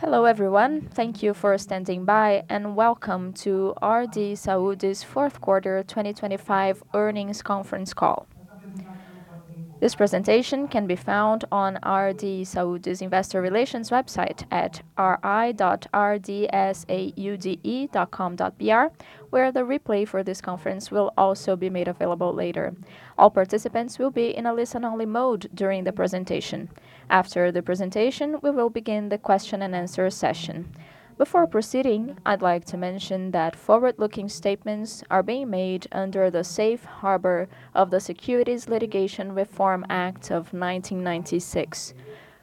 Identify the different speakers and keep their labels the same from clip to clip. Speaker 1: Hello, everyone. Thank you for standing by, and welcome to Raia Drogasil's fourth quarter 2025 earnings conference call. This presentation can be found on Raia Drogasil's investor relations website at ri.rdsaude.com.br, where the replay for this conference will also be made available later. All participants will be in a listen-only mode during the presentation. After the presentation, we will begin the question-and-answer session. Before proceeding, I'd like to mention that forward-looking statements are being made under the Safe Harbor of the Private Securities Litigation Reform Act of 1995.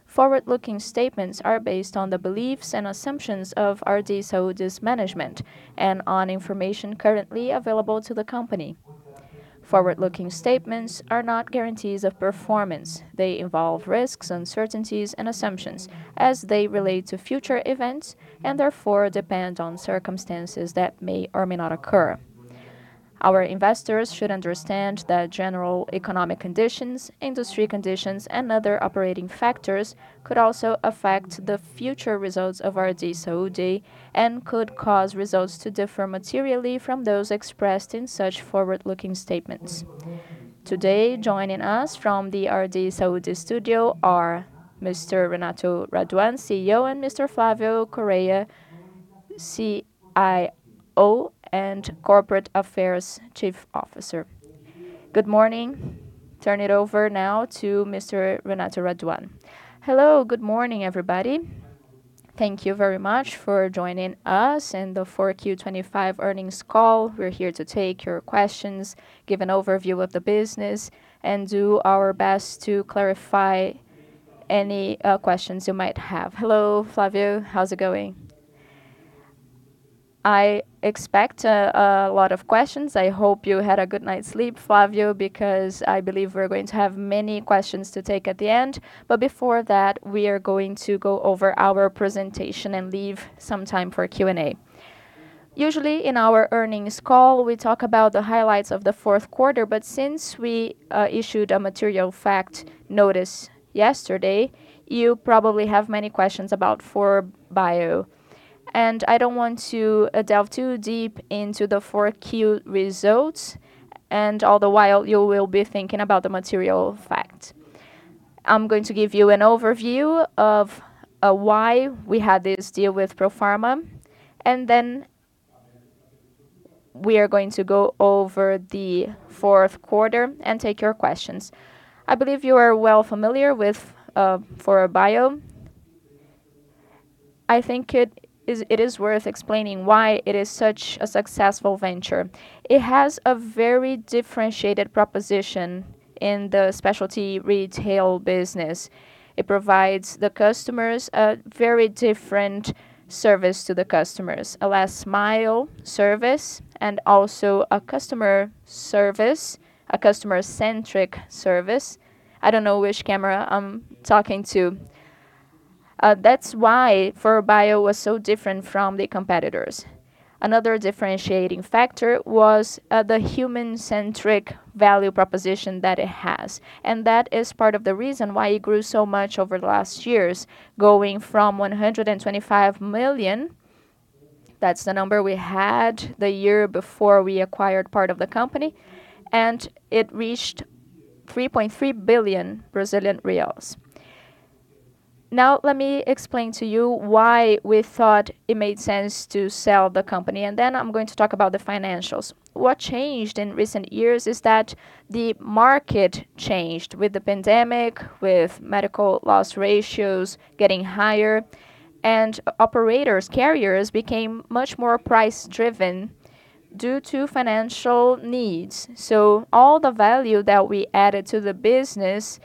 Speaker 1: Forward-looking statements are based on the beliefs and assumptions of Raia Drogasil's management and on information currently available to the company. Forward-looking statements are not guarantees of performance. They involve risks, uncertainties and assumptions as they relate to future events and therefore depend on circumstances that may or may not occur. Our investors should understand that general economic conditions, industry conditions, and other operating factors could also affect the future results of Raia Drogasil and could cause results to differ materially from those expressed in such forward-looking statements. Today, joining us from the Raia Drogasil studio are Mr. Renato Raduan, CEO, and Mr. Flávio Correia, CIO and Corporate Affairs Chief Officer. Good morning. Turn it over now to Mr. Renato Raduan.
Speaker 2: Hello. Good morning, everybody. Thank you very much for joining us in the 4Q25 earnings call. We're here to take your questions, give an overview of the business, and do our best to clarify any questions you might have. Hello, Flávio. How's it going?
Speaker 3: I expect a lot of questions.
Speaker 2: I hope you had a good night's sleep, Flávio, because I believe we're going to have many questions to take at the end. Before that, we are going to go over our presentation and leave some time for Q&A. Usually, in our earnings call, we talk about the highlights of the fourth quarter, but since we issued a material fact notice yesterday, you probably have many questions about 4Bio. I don't want to delve too deep into the 4Q results, and all the while you will be thinking about the material fact. I'm going to give you an overview of why we had this deal with Profarma. Then we are going to go over the fourth quarter and take your questions. I believe you are well familiar with 4Bio. I think it is worth explaining why it is such a successful venture. It has a very differentiated proposition in the specialty retail business. It provides the customers a very different service to the customers, a last mile service and also a customer service, a customer-centric service. I don't know which camera I'm talking to. That's why 4Bio was so different from the competitors. Another differentiating factor was the human-centric value proposition that it has, and that is part of the reason why it grew so much over the last years, going from 125 million, that's the number we had the year before we acquired part of the company, and it reached 3.3 billion Brazilian reais. Let me explain to you why we thought it made sense to sell the company, and then I'm going to talk about the financials. What changed in recent years is that the market changed with the pandemic, with medical loss ratios getting higher, and operators, carriers became much more price-driven due to financial needs. All the value that we added to the business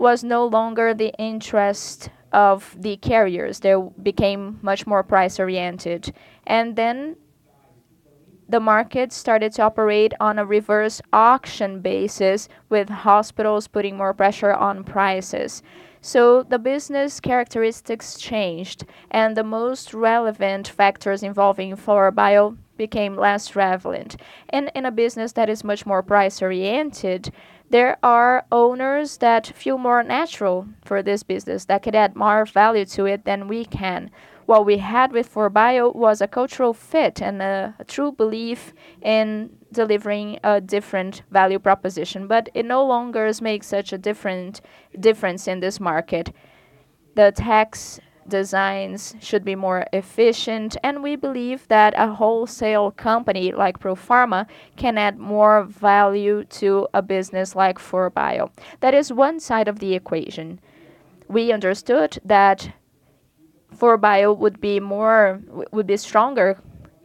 Speaker 2: was no longer the interest of the carriers. They became much more price-oriented. Then the market started to operate on a reverse auction basis, with hospitals putting more pressure on prices. The business characteristics changed, and the most relevant factors involving 4Bio became less relevant. In a business that is much more price-oriented, there are owners that feel more natural for this business that could add more value to it than we can. What we had with 4Bio was a cultural fit and a true belief in delivering a different value proposition, but it no longer is make such a different difference in this market. The tax designs should be more efficient, and we believe that a wholesale company like Profarma can add more value to a business like 4Bio. That is one side of the equation. We understood that 4Bio would be stronger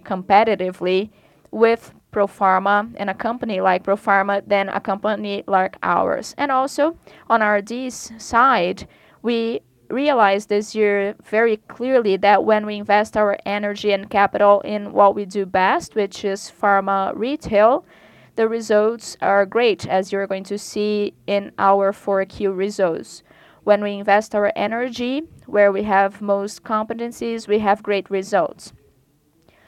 Speaker 2: competitively with Profarma and a company like Profarma than a company like ours. Also on RD's side, we realized this year very clearly that when we invest our energy and capital in what we do best, which is pharma retail, the results are great, as you're going to see in our 4Q results.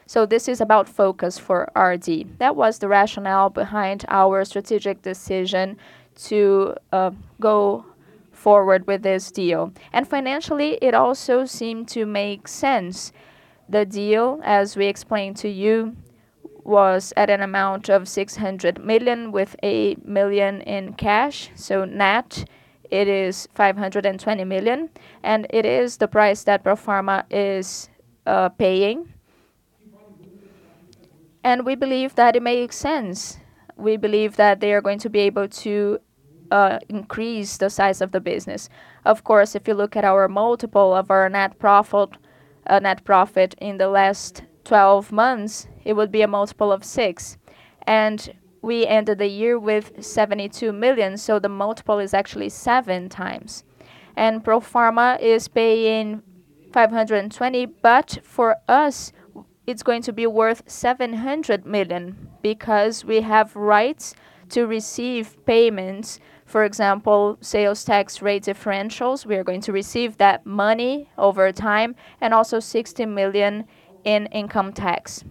Speaker 2: So this is about focus for RD. That was the rationale behind our strategic decision to go forward with this deal. Financially, it also seemed to make sense. The deal, as we explained to you, was at an amount of 600 million, with 1 million in cash. Net it is 520 million, and it is the price that Profarma is paying. We believe that it makes sense. We believe that they are going to be able to increase the size of the business. Of course, if you look at our multiple of our net profit in the last 12 months, it would be a multiple of 6. We ended the year with 72 million. The multiple is actually 7 times and Profarma is paying 520 million. For us, it's going to be worth 700 million because we have rights to receive payments. For example, sales tax rate differentials, we are going to receive that money over time. Also 60 million in income tax.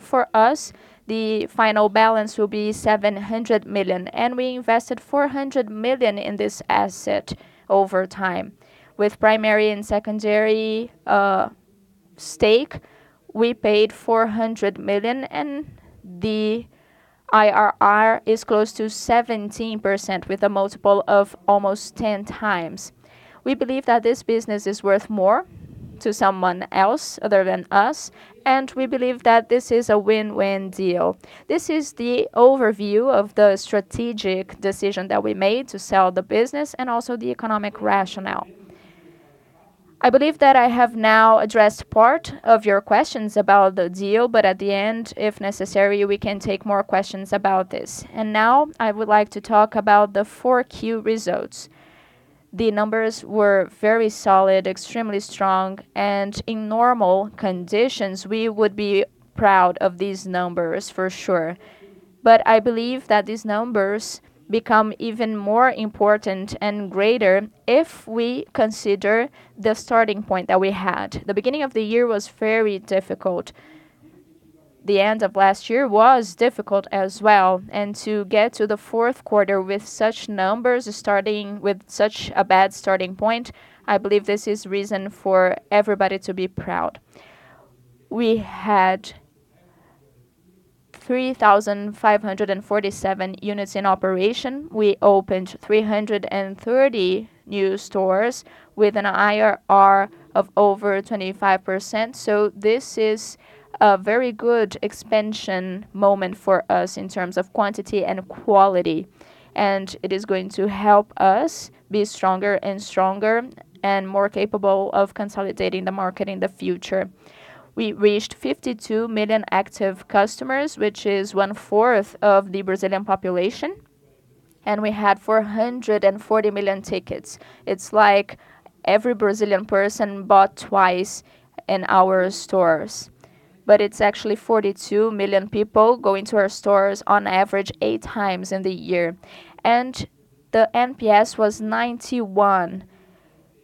Speaker 2: For us, the final balance will be 700 million. We invested 400 million in this asset over time. With primary and secondary stake, we paid 400 million and the IRR is close to 17% with a multiple of almost 10 times. We believe that this business is worth more to someone else other than us, and we believe that this is a win-win deal. This is the overview of the strategic decision that we made to sell the business and also the economic rationale. I believe that I have now addressed part of your questions about the deal, but at the end, if necessary, we can take more questions about this. Now I would like to talk about the 4Q results. The numbers were very solid, extremely strong, and in normal conditions, we would be proud of these numbers for sure. I believe that these numbers become even more important and greater if we consider the starting point that we had. The beginning of the year was very difficult. The end of last year was difficult as well. To get to the fourth quarter with such numbers, starting with such a bad starting point, I believe this is reason for everybody to be proud. We had 3,547 units in operation. We opened 330 new stores with an IRR of over 25%. This is a very good expansion moment for us in terms of quantity and quality, and it is going to help us be stronger and stronger and more capable of consolidating the market in the future. We reached 52 million active customers, which is one-fourth of the Brazilian population. We had 440 million tickets. It's like every Brazilian person bought twice in our stores, but it's actually 42 million people going to our stores on average 8 times in the year. The NPS was 91.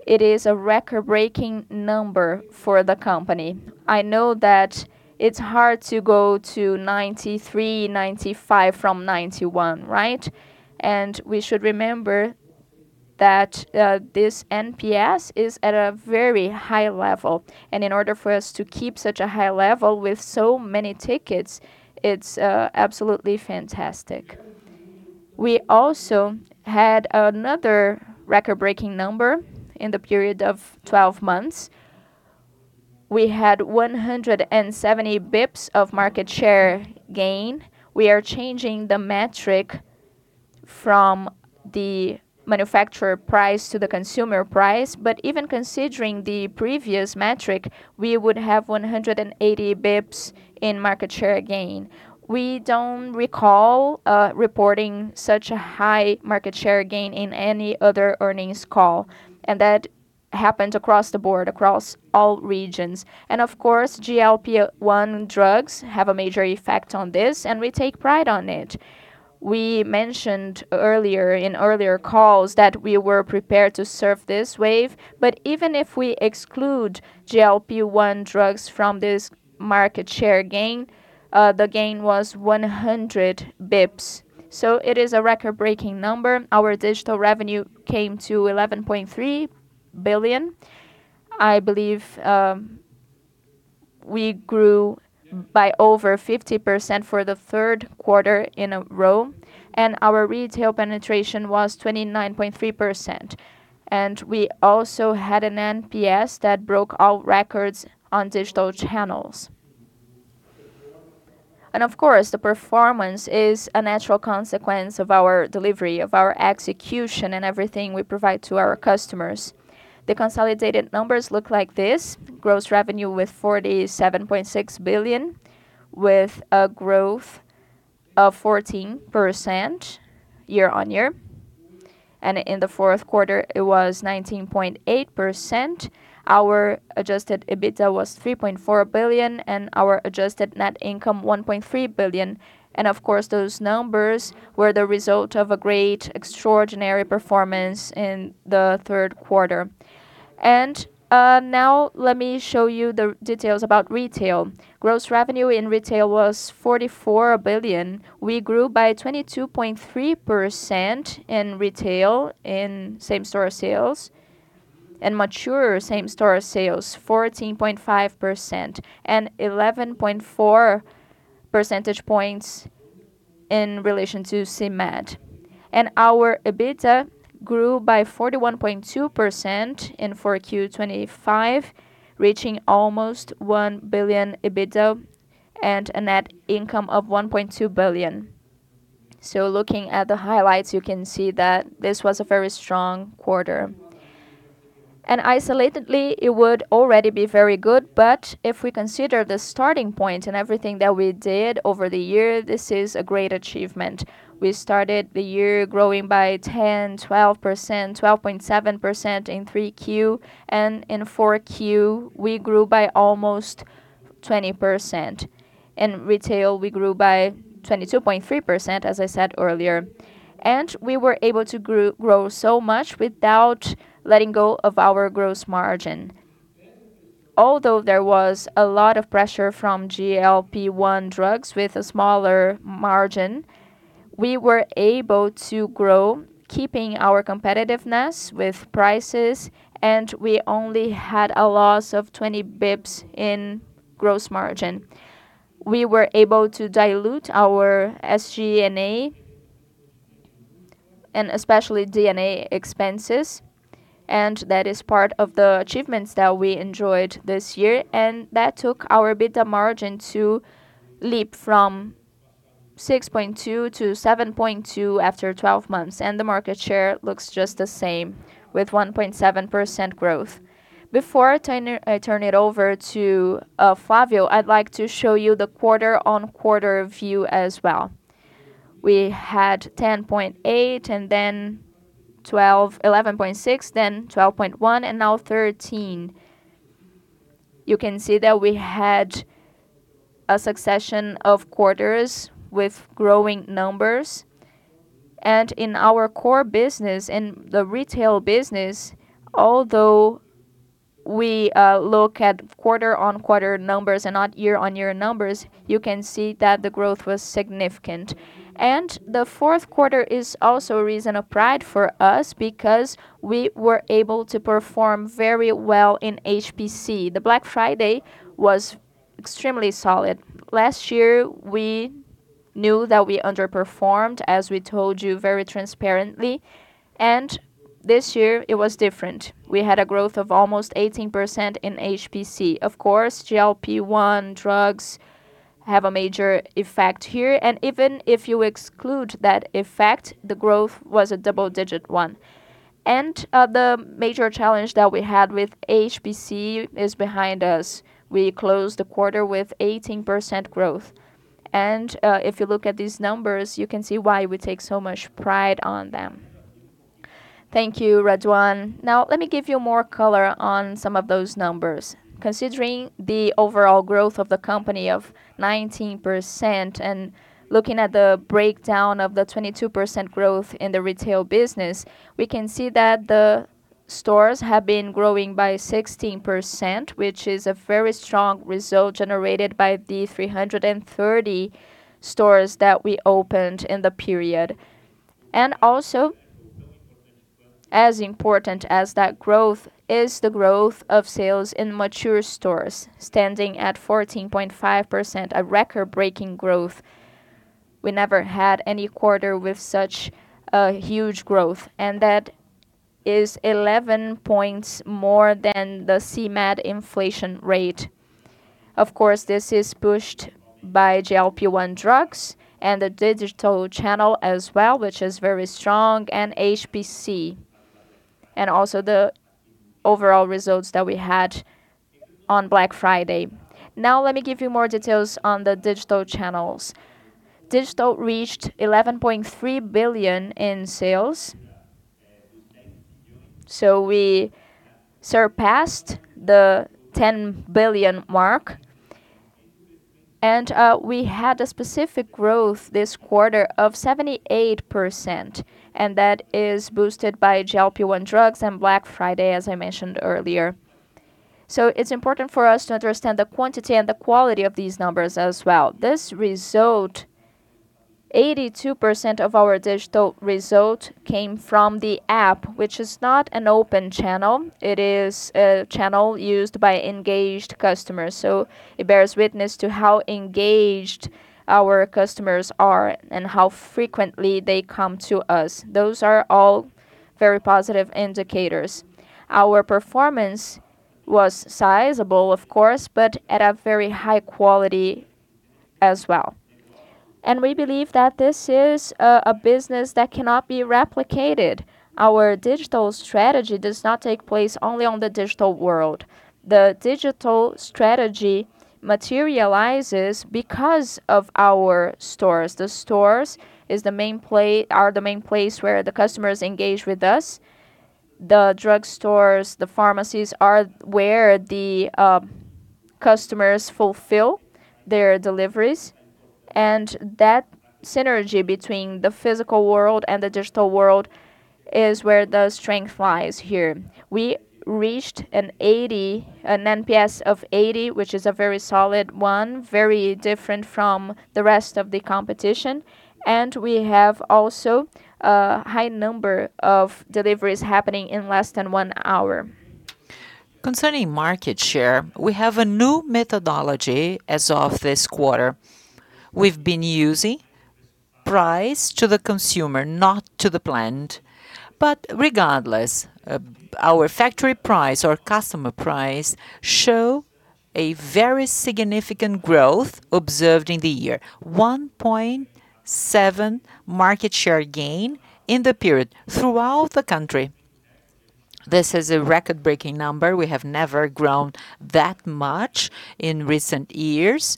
Speaker 2: It is a record-breaking number for the company. I know that it's hard to go to 93, 95 from 91, right? We should remember that this NPS is at a very high level, and in order for us to keep such a high level with so many tickets, it's absolutely fantastic. We also had another record-breaking number in the period of 12 months. We had 170 basis points of market share gain. We are changing the metric from the manufacturer price to the consumer price. Even considering the previous metric, we would have 180 basis points in market share gain. We don't recall reporting such a high market share gain in any other earnings call. That happened across the board, across all regions. Of course, GLP-1 drugs have a major effect on this. We take pride on it. We mentioned earlier in earlier calls that we were prepared to surf this wave. Even if we exclude GLP-1 drugs from this market share gain, the gain was 100 basis points. It is a record-breaking number. Our digital revenue came to 11.3 billion. I believe, we grew by over 50% for the third quarter in a row. Our retail penetration was 29.3%. We also had an NPS that broke all records on digital channels. Of course, the performance is a natural consequence of our delivery, of our execution and everything we provide to our customers. The consolidated numbers look like this. Gross revenue with 47.6 billion, with a growth of 14% year-on-year. In the fourth quarter, it was 19.8%. Our adjusted EBITDA was 3.4 billion, and our adjusted net income 1.3 billion. Of course, those numbers were the result of a great extraordinary performance in the third quarter. Now let me show you the details about retail. Gross revenue in retail was 44 billion. We grew by 22.3% in retail in same-store sales and mature same-store sales, 14.5% and 11.4 percentage points in relation to CMAT. Our EBITDA grew by 41.2% in 4Q 2025, reaching almost 1 billion EBITDA and a net income of 1.2 billion. Looking at the highlights, you can see that this was a very strong quarter. Isolatedly, it would already be very good, but if we consider the starting point and everything that we did over the year, this is a great achievement. We started the year growing by 10%, 12%, 12.7% in 3Q, and in 4Q, we grew by almost 20%. In retail, we grew by 22.3%, as I said earlier. We were able to grow so much without letting go of our gross margin. Although there was a lot of pressure from GLP-1 drugs with a smaller margin, we were able to grow, keeping our competitiveness with prices, and we only had a loss of 20 basis points in gross margin. We were able to dilute our SG&A and especially D&A expenses, and that is part of the achievements that we enjoyed this year, and that took our EBITDA margin to leap from 6.2%-7.2% after 12 months. The market share looks just the same with 1.7% growth. Before I turn it over to Flávio, I'd like to show you the quarter-on-quarter view as well. We had 10.8% and then 11.6%, then 12.1%, and now 13%. You can see that we had a succession of quarters with growing numbers. In our core business, in the retail business, although we look at quarter-on-quarter numbers and not year-on-year numbers, you can see that the growth was significant. The fourth quarter is also a reason of pride for us because we were able to perform very well in HPC. The Black Friday was extremely solid. Last year, we knew that we underperformed, as we told you very transparently. This year it was different. We had a growth of almost 18% in HPC. Of course, GLP-1 drugs have a major effect here, and even if you exclude that effect, the growth was a double-digit one. The major challenge that we had with HPC is behind us. We closed the quarter with 18% growth. If you look at these numbers, you can see why we take so much pride on them.
Speaker 3: Thank you, Raduan. Now let me give you more color on some of those numbers. Considering the overall growth of the company of 19% and looking at the breakdown of the 22% growth in the retail business, we can see that the stores have been growing by 16%, which is a very strong result generated by the 330 stores that we opened in the period. As important as that growth is the growth of sales in mature stores, standing at 14.5%, a record-breaking growth. We never had any quarter with such a huge growth, and that is 11 points more than the CMAT inflation rate. Of course, this is pushed by GLP-1 drugs and the digital channel as well, which is very strong, and HPC. The overall results that we had on Black Friday. Now let me give you more details on the digital channels. Digital reached 11.3 billion in sales. We surpassed the 10 billion mark. We had a specific growth this quarter of 78%, and that is boosted by GLP-1 drugs and Black Friday, as I mentioned earlier. It's important for us to understand the quantity and the quality of these numbers as well. This result, 82% of our digital result came from the app, which is not an open channel. It is a channel used by engaged customers, so it bears witness to how engaged our customers are and how frequently they come to us. Those are all very positive indicators. Our performance was sizable, of course, but at a very high quality as well. We believe that this is a business that cannot be replicated. Our digital strategy does not take place only on the digital world. The digital strategy materializes because of our stores. The stores are the main place where the customers engage with us. The drugstores, the pharmacies are where the customers fulfill their deliveries. That synergy between the physical world and the digital world is where the strength lies here. We reached an NPS of 80, which is a very solid one, very different from the rest of the competition, and we have also a high number of deliveries happening in less than one hour. Concerning market share, we have a new methodology as of this quarter. We've been using price to the consumer, not to the brand. Regardless, our factory price or customer price show a very significant growth observed in the year. 1.7 market share gain in the period throughout the country. This is a record-breaking number. We have never grown that much in recent years.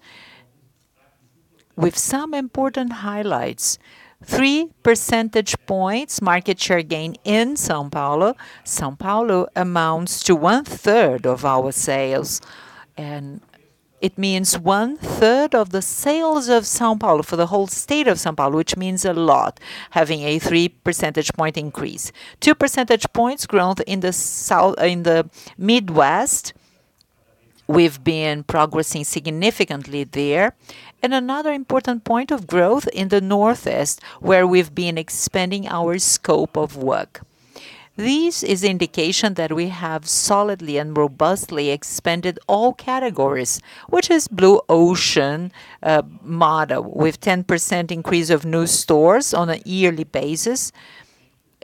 Speaker 3: With some important highlights, 3 percentage points market share gain in São Paulo. São Paulo amounts to 1/3 of our sales, and it means 1/3 of the sales of São Paulo for the whole state of São Paulo, which means a lot, having a 3 percentage point increase. 2 percentage points growth in the South in the Midwest. We've been progressing significantly there. Another important point of growth in the Northeast, where we've been expanding our scope of work. This is indication that we have solidly and robustly expanded all categories, which is Blue Ocean model, with 10% increase of new stores on a yearly basis.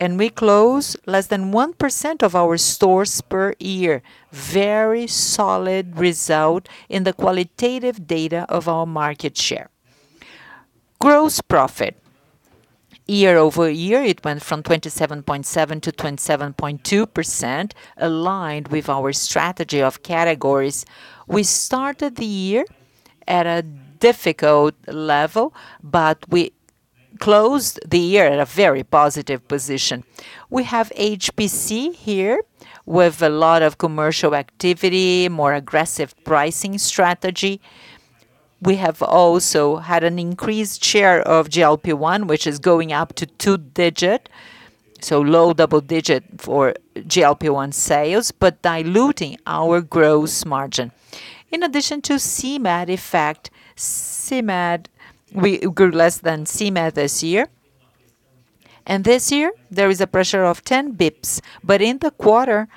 Speaker 3: We close less than 1% of our stores per year. Very solid result in the qualitative data of our market share. Gross profit. Year-over-year, it went from 27.7-27.2%, aligned with our strategy of categories. We started the year at a difficult level, but we closed the year at a very positive position. We have HPC here with a lot of commercial activity, more aggressive pricing strategy. We have also had an increased share of GLP-1, which is going up to 2-digit, so low double-digit for GLP-1 sales, but diluting our gross margin. In addition to CMAT effect, CMAT, we grew less than CMAT this year. This year, there is a pressure of 10 basis points, but in the quarter,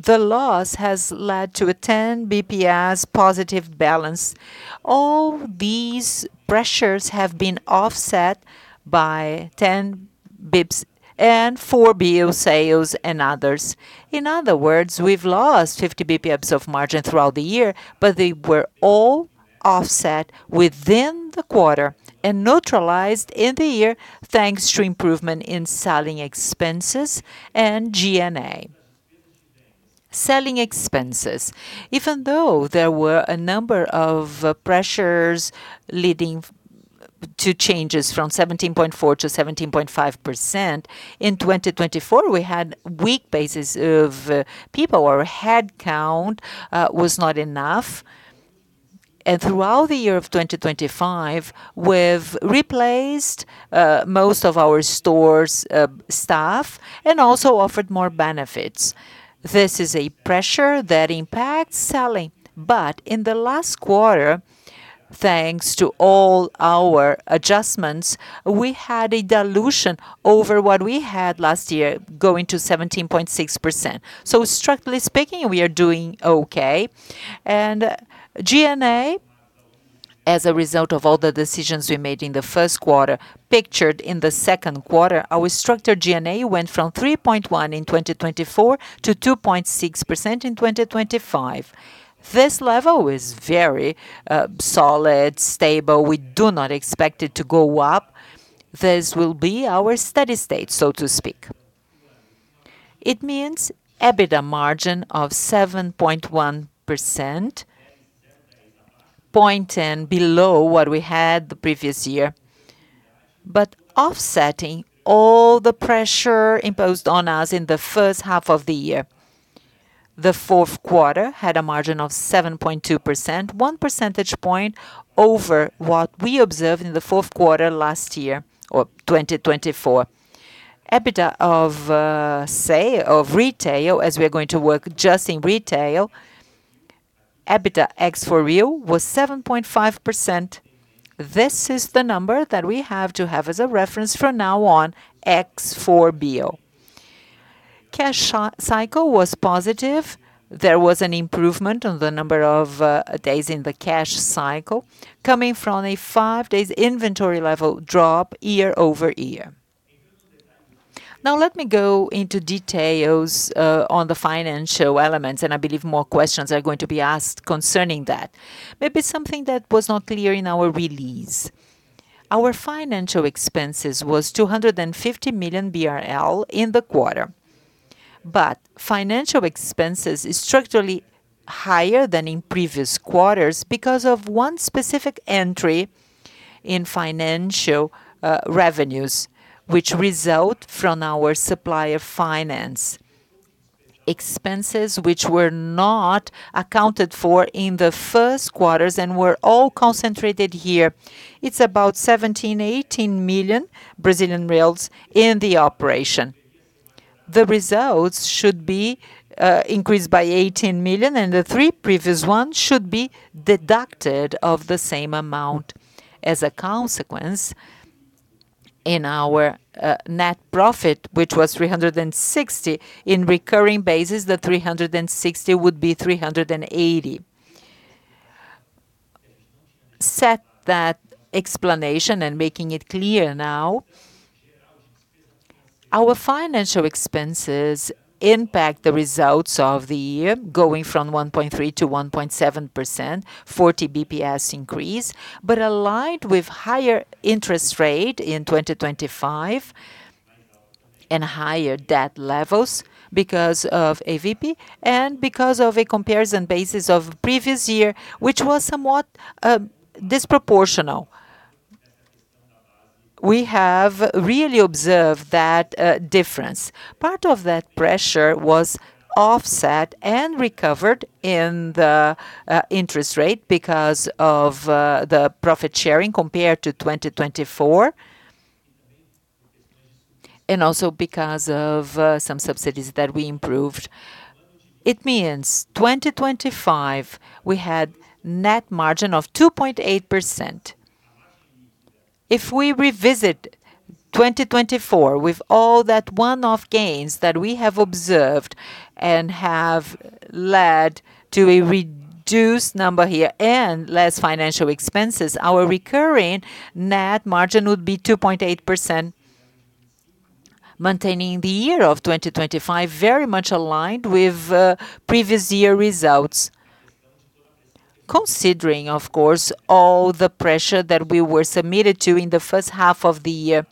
Speaker 3: the loss has led to a 10 basis points positive balance. All these pressures have been offset by 10 basis points and 4Bio sales and others. In other words, we've lost 50 basis points of margin throughout the year, but they were all offset within the quarter and neutralized in the year, thanks to improvement in selling expenses and G&A. Selling expenses, even though there were a number of pressures leading to changes from 17.4%-17.5%, in 2024, we had weak basis of people. Our headcount was not enough. Throughout the year of 2025, we've replaced most of our stores staff and also offered more benefits. This is a pressure that impacts selling. In the last quarter, thanks to all our adjustments, we had a dilution over what we had last year going to 17.6%. Structurally speaking, we are doing okay. G&A, as a result of all the decisions we made in the first quarter pictured in the second quarter, our structured G&A went from 3.1% in 2024 to 2.6% in 2025. This level is very solid, stable. We do not expect it to go up. This will be our steady state, so to speak. It means EBITDA margin of 7.1%, 0.10 below what we had the previous year. Offsetting all the pressure imposed on us in the first half of the year, the fourth quarter had a margin of 7.2%, one percentage point over what we observed in the fourth quarter last year or 2024. EBITDA of retail, as we are going to work just in retail, EBITDA ex-4Bio was 7.5%. This is the number that we have to have as a reference from now on, ex-4Bio. Cash cycle was positive. There was an improvement on the number of days in the cash cycle coming from a five days inventory level drop year-over-year. Now let me go into details on the financial elements, and I believe more questions are going to be asked concerning that. Maybe something that was not clear in our release. Our financial expenses was 250 million BRL in the quarter. Financial expenses is structurally higher than in previous quarters because of one specific entry in financial revenues which result from our supplier finance. Expenses which were not accounted for in the first quarters and were all concentrated here. It's about 17 million-18 million in the operation. The results should be increased by 18 million, and the three previous ones should be deducted of the same amount. As a consequence, in our net profit, which was 360, in recurring basis, the 360 would be 380. Set that explanation making it clear now. Our financial expenses impact the results of the year, going from 1.3%-1.7%, 40 BPS increase, aligned with higher interest rate in 2025 and higher debt levels because of AVP and because of a comparison basis of previous year, which was somewhat disproportional. We have really observed that difference. Part of that pressure was offset and recovered in the interest rate because of the profit sharing compared to 2024 and also because of some subsidies that we improved. It means 2025, we had net margin of 2.8%. If we revisit 2024 with all that one-off gains that we have observed and have led to a reduced number here and less financial expenses, our recurring net margin would be 2.8%, maintaining the year of 2025 very much aligned with previous year results. Considering, of course, all the pressure that we were submitted to in the first half of the year.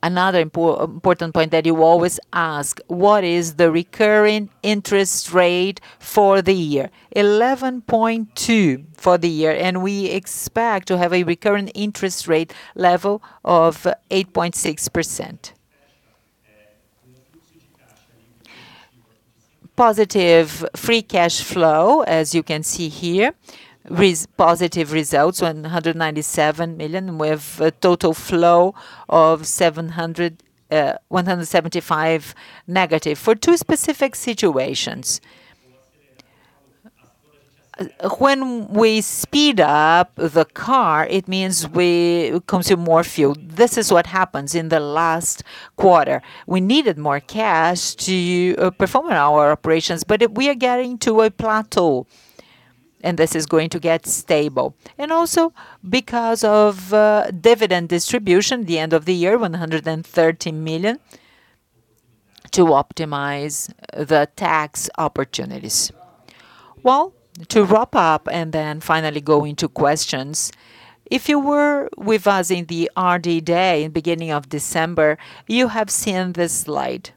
Speaker 3: Another important point that you always ask, what is the recurring interest rate for the year? 11.2% for the year, we expect to have a recurring interest rate level of 8.6%. Positive free cash flow, as you can see here, positive results, 197 million, with a total flow of -175 for two specific situations. When we speed up the car, it means we consume more fuel. This is what happens in the last quarter. We needed more cash to perform our operations, but we are getting to a plateau, and this is going to get stable. Also because of dividend distribution, the end of the year, 130 million, to optimize the tax opportunities. Well, to wrap up and then finally go into questions, if you were with us in the RD Saúde Day in beginning of December, you have seen this slide.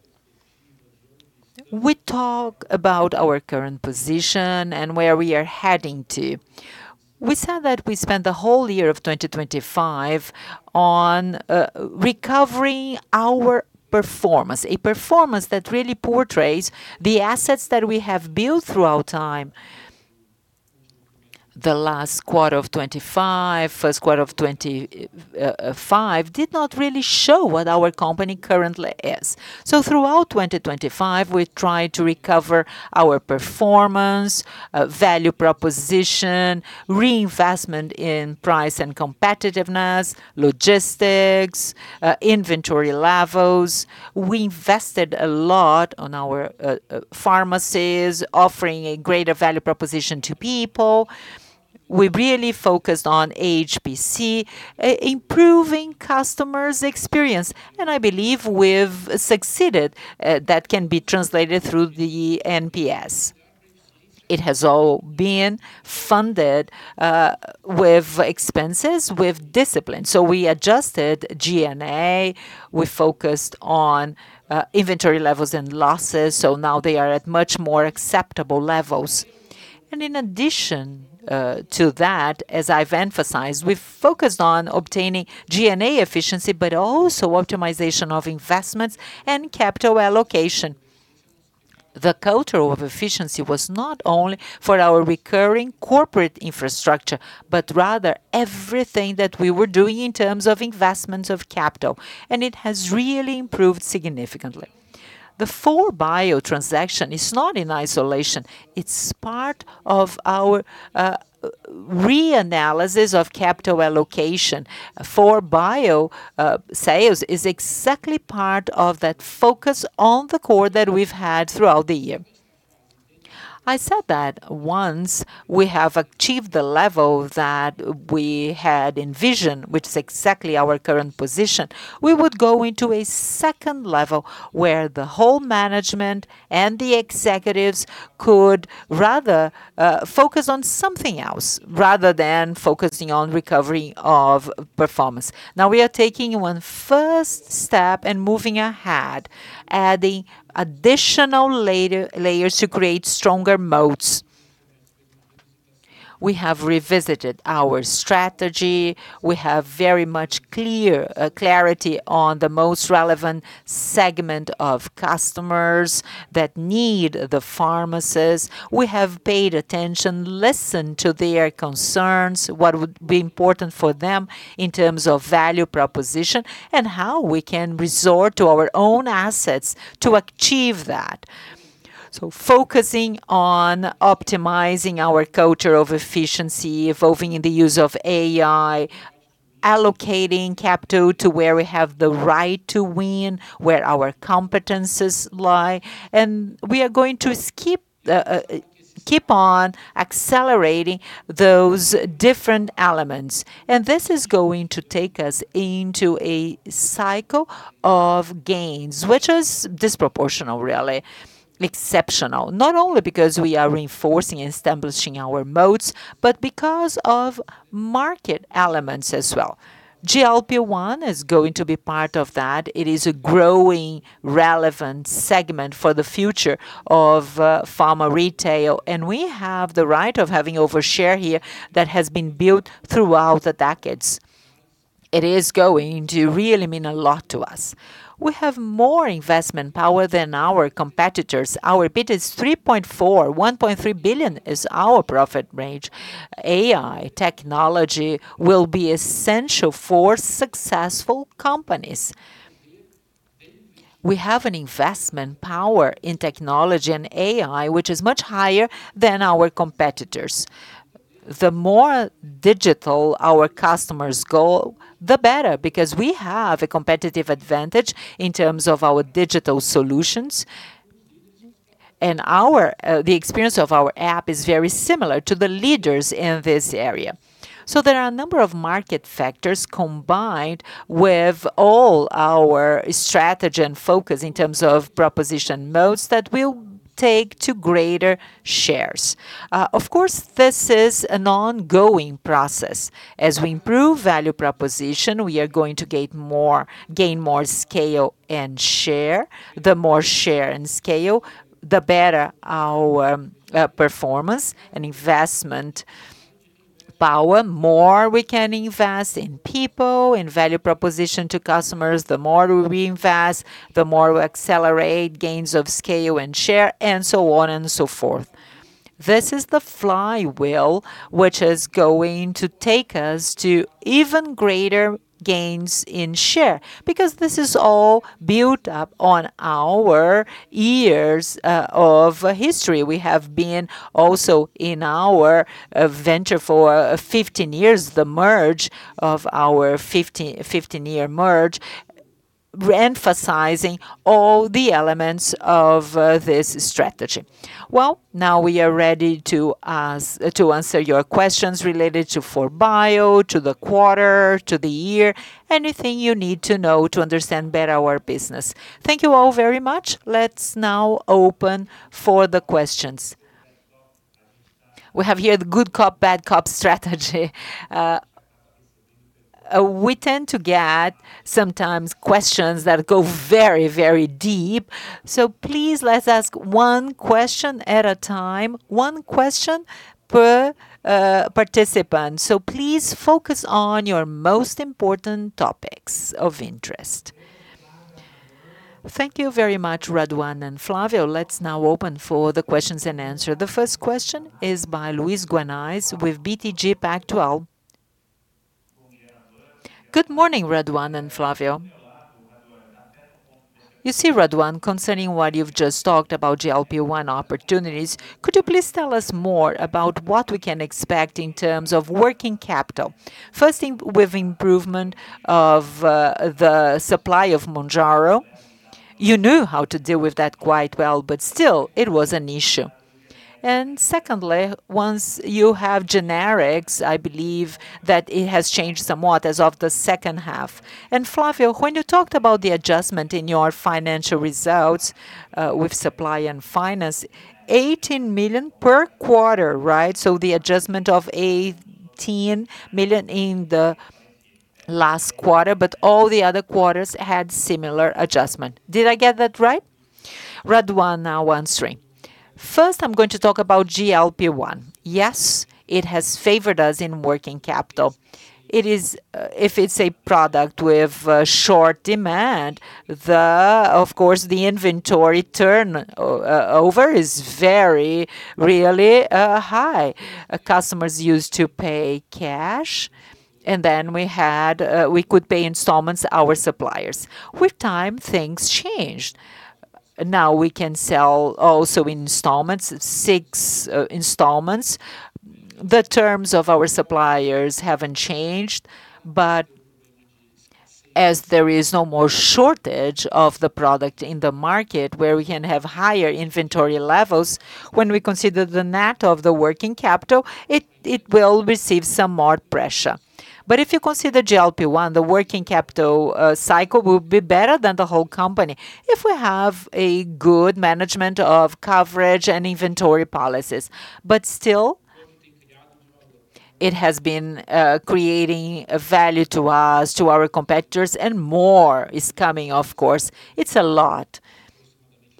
Speaker 3: We talk about our current position and where we are heading to. We said that we spent the whole year of 2025 on recovering our performance, a performance that really portrays the assets that we have built throughout time. The last quarter of 2025, first quarter of 2025, did not really show what our company currently is. Throughout 2025, we tried to recover our performance, value proposition, reinvestment in price and competitiveness, logistics, inventory levels. We invested a lot on our pharmacies offering a greater value proposition to people. We really focused on HPC, improving customers' experience, and I believe we've succeeded. That can be translated through the NPS. It has all been funded with expenses, with discipline. We adjusted G&A. We focused on inventory levels and losses, so now they are at much more acceptable levels. In addition to that, as I've emphasized, we've focused on obtaining G&A efficiency, but also optimization of investments and capital allocation. The culture of efficiency was not only for our recurring corporate infrastructure, but rather everything that we were doing in terms of investments of capital, and it has really improved significantly. The 4Bio transaction is not in isolation. It's part of our reanalysis of capital allocation. 4Bio sales is exactly part of that focus on the core that we've had throughout the year. I said that once we have achieved the level that we had envisioned, which is exactly our current position, we would go into a second level where the whole management and the executives could rather focus on something else rather than focusing on recovery of performance. Now we are taking one first step and moving ahead, adding additional layer, layers to create stronger moats. We have revisited our strategy. We have very much clear clarity on the most relevant segment of customers that need the pharmacist. We have paid attention, listened to their concerns, what would be important for them in terms of value proposition, and how we can resort to our own assets to achieve that. Focusing on optimizing our culture of efficiency, evolving in the use of AI, allocating capital to where we have the right to win, where our competencies lie. We are going to keep on accelerating those different elements. This is going to take us into a cycle of gains, which is disproportional, really. Exceptional. Not only because we are reinforcing and establishing our moats, but because of market elements as well. GLP-1 is going to be part of that. It is a growing relevant segment for the future of pharma retail, and we have the right of having overshare here that has been built throughout the decades. It is going to really mean a lot to us. We have more investment power than our competitors. Our bid is 3.4. 1.3 billion is our profit range. AI technology will be essential for successful companies. We have an investment power in technology and AI, which is much higher than our competitors. The more digital our customers go, the better, because we have a competitive advantage in terms of our digital solutions. Our, the experience of our app is very similar to the leaders in this area. There are a number of market factors combined with all our strategy and focus in terms of proposition modes that will take to greater shares. Of course, this is an ongoing process. As we improve value proposition, we are going to gain more scale and share. The more share and scale, the better our performance and investment power. More we can invest in people, in value proposition to customers. The more we invest, the more we accelerate gains of scale and share and so on and so forth. This is the flywheel which is going to take us to even greater gains in share, because this is all built up on our years of history. We have been also in our venture for 15 years, the merge of our 15-year merge, re-emphasizing all the elements of this strategy. Well, now we are ready to answer your questions related to 4Bio, to the quarter, to the year. Anything you need to know to understand better our business. Thank you all very much. Let's now open for the questions. We have here the good cop, bad cop strategy. We tend to get sometimes questions that go very, very deep. Please let's ask one question at a time, one question per participant. Please focus on your most important topics of interest.
Speaker 1: Thank you very much, Raduan and Flávio. Let's now open for the questions and answer. The first question is by Luiz Guanais with BTG Pactual.
Speaker 4: Good morning, Raduan and Flávio. You see, Raduan, concerning what you've just talked about GLP-1 opportunities, could you please tell us more about what we can expect in terms of working capital? First, with improvement of the supply of Mounjaro. You knew how to deal with that quite well, but still it was an issue. Secondly, once you have generics, I believe that it has changed somewhat as of the second half. Flávio, when you talked about the adjustment in your financial results, with supply and finance, 18 million per quarter, right? The adjustment of 18 million in the last quarter, but all the other quarters had similar adjustment. Did I get that right?
Speaker 2: Raduan now answering. First, I'm going to talk about GLP-1. Yes, it has favored us in working capital. If it's a product with short demand, of course, the inventory turnover is very really high. Customers used to pay cash, and then we could pay installments to our suppliers. With time, things changed. Now we can sell also in installments, six installments. The terms of our suppliers haven't changed, but as there is no more shortage of the product in the market, where we can have higher inventory levels, when we consider the net of the working capital, it will receive some more pressure. If you consider GLP-1, the working capital cycle will be better than the whole company if we have a good management of coverage and inventory policies. Still, it has been creating a value to us, to our competitors, and more is coming, of course. It's a lot.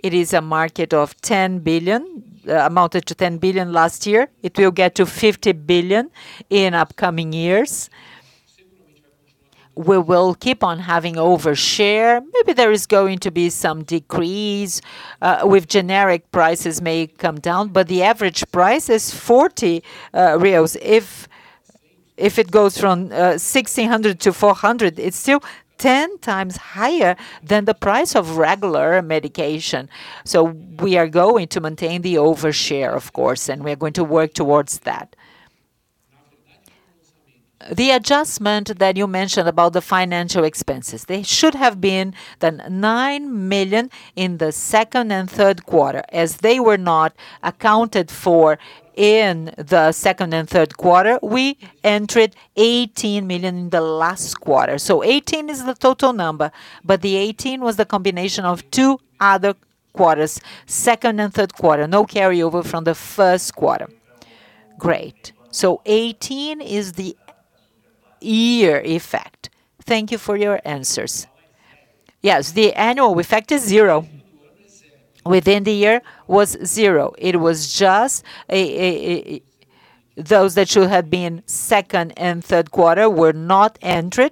Speaker 2: It is a market of 10 billion, amounted to 10 billion last year. It will get to 50 billion in upcoming years. We will keep on having overshare. Maybe there is going to be some decrease, with generic prices may come down, but the average price is 40. If it goes from 1,600-400, it's still 10 times higher than the price of regular medication. We are going to maintain the overshare, of course, and we are going to work towards that. The adjustment that you mentioned about the financial expenses, they should have been the 9 million in the second and third quarter.
Speaker 3: As they were not accounted for in the second and third quarter, we entered 18 million in the last quarter. 18 million is the total number, but the 18 million was the combination of two other quarters, second and third quarter. No carryover from the first quarter. Great. 18 million is the year effect.
Speaker 4: Thank you for your answers.
Speaker 2: Yes, the annual effect is zero. Within the year was zero. It was just those that should have been second and third quarter were not entered,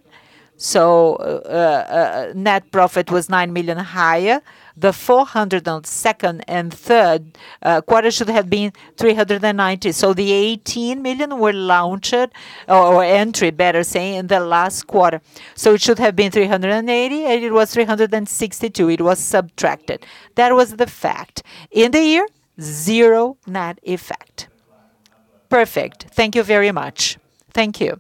Speaker 2: net profit was 9 million higher. The 400 million on second and third quarter should have been 390 million. The 18 million were launched or entered, better saying, in the last quarter. It should have been 380 million, and it was 362 million. It was subtracted. That was the fact. In the year, zero net effect.
Speaker 4: Perfect. Thank you very much.
Speaker 2: Thank you.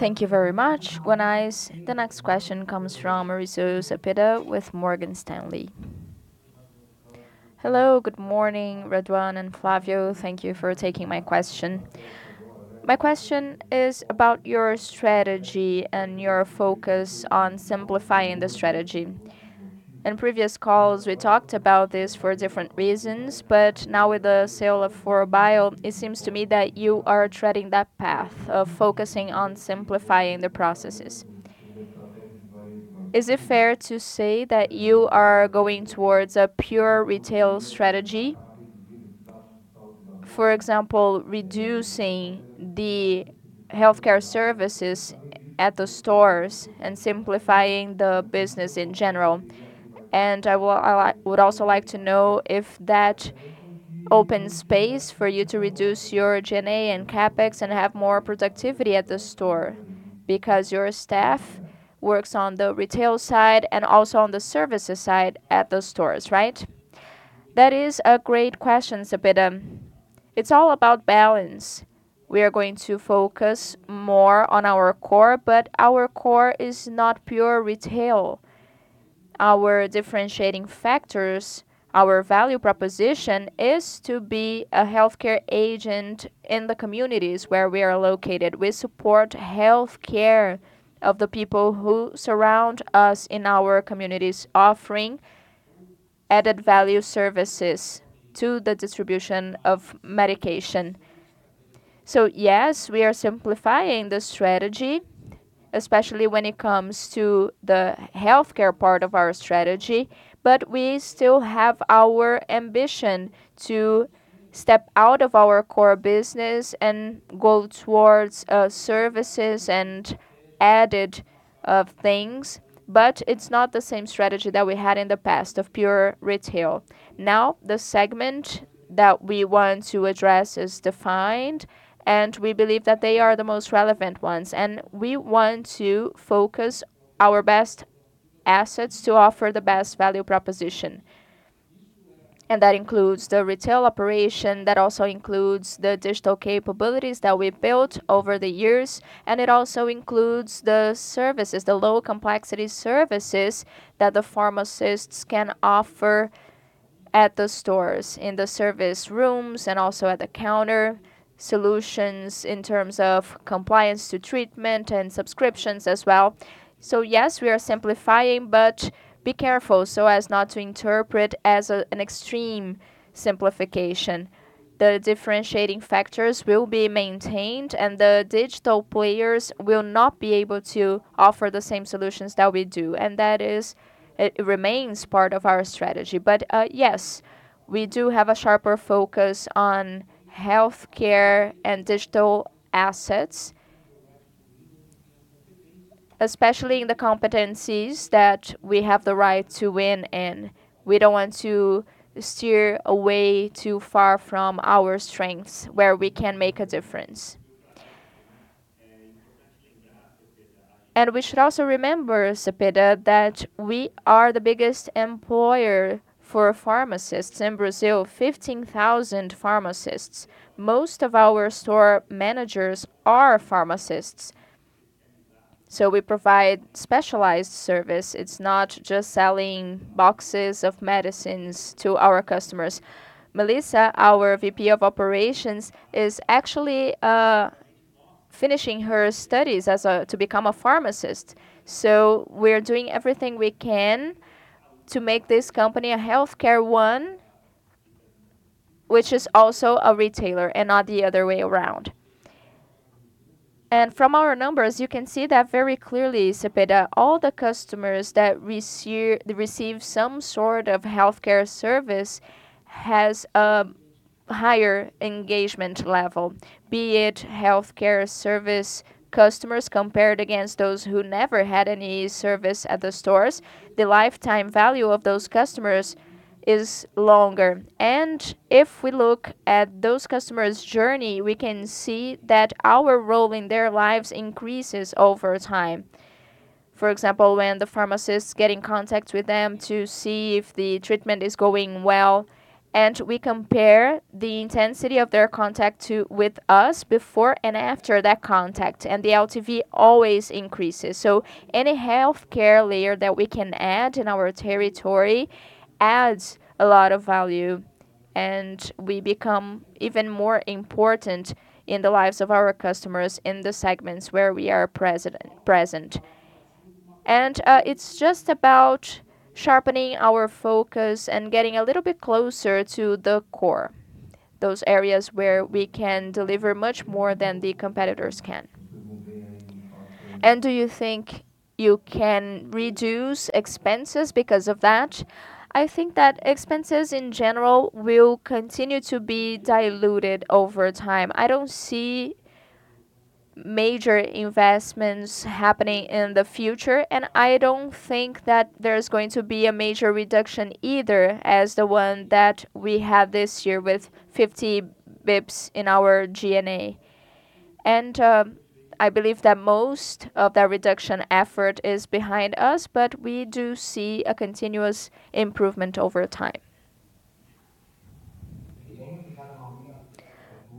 Speaker 1: Thank you very much, Guanais. The next question comes from Mauricio Cepeda with Morgan Stanley.
Speaker 5: Hello, good morning, Raduan and Flávio. Thank you for taking my question. My question is about your strategy and your focus on simplifying the strategy. In previous calls, we talked about this for different reasons, but now with the sale of 4Bio, it seems to me that you are treading that path of focusing on simplifying the processes. Is it fair to say that you are going towards a pure retail strategy? For example, reducing the healthcare services at the stores and simplifying the business in general. I would also like to know if that opens space for you to reduce your G&A and CapEx and have more productivity at the store because your staff works on the retail side and also on the services side at the stores, right?
Speaker 2: That is a great question, Cepeda. It's all about balance. We are going to focus more on our core, but our core is not pure retail. Our differentiating factors, our value proposition is to be a healthcare agent in the communities where we are located. We support healthcare of the people who surround us in our communities, offering added value services to the distribution of medication. Yes, we are simplifying the strategy, especially when it comes to the healthcare part of our strategy, but we still have our ambition to step out of our core business and go towards services and added things. It's not the same strategy that we had in the past of pure retail. The segment that we want to address is defined, and we believe that they are the most relevant ones. We want to focus our best assets to offer the best value proposition. That includes the retail operation, that also includes the digital capabilities that we built over the years, and it also includes the services, the low complexity services that the pharmacists can offer at the stores, in the service rooms and also at the counter, solutions in terms of compliance to treatment and subscriptions as well. Yes, we are simplifying, but be careful so as not to interpret as an extreme simplification. The differentiating factors will be maintained and the digital players will not be able to offer the same solutions that we do. That is, it remains part of our strategy. Yes, we do have a sharper focus on healthcare and digital assets, especially in the competencies that we have the right to win in. We don't want to steer away too far from our strengths where we can make a difference. We should also remember, Cepeda, that we are the biggest employer for pharmacists in Brazil, 15,000 pharmacists. Most of our store managers are pharmacists, so we provide specialized service. It's not just selling boxes of medicines to our customers. Melissa, our VP of Operations, is actually finishing her studies to become a pharmacist. So we're doing everything we can to make this company a healthcare one, which is also a retailer and not the other way around. From our numbers, you can see that very clearly, Cepeda. All the customers that receive some sort of healthcare service has a higher engagement level, be it healthcare service customers compared against those who never had any service at the stores. The lifetime value of those customers is longer. If we look at those customers' journey, we can see that our role in their lives increases over time. For example, when the pharmacists get in contact with them to see if the treatment is going well, we compare the intensity of their contact with us before and after that contact, the LTV always increases. Any healthcare layer that we can add in our territory adds a lot of value, and we become even more important in the lives of our customers in the segments where we are present. It's just about sharpening our focus and getting a little bit closer to the core. Those areas where we can deliver much more than the competitors can. Do you think you can reduce expenses because of that? I think that expenses in general will continue to be diluted over time. I don't see major investments happening in the future, and I don't think that there's going to be a major reduction either as the one that we had this year with 50 basis points in our G&A. I believe that most of that reduction effort is behind us, but we do see a continuous improvement over time.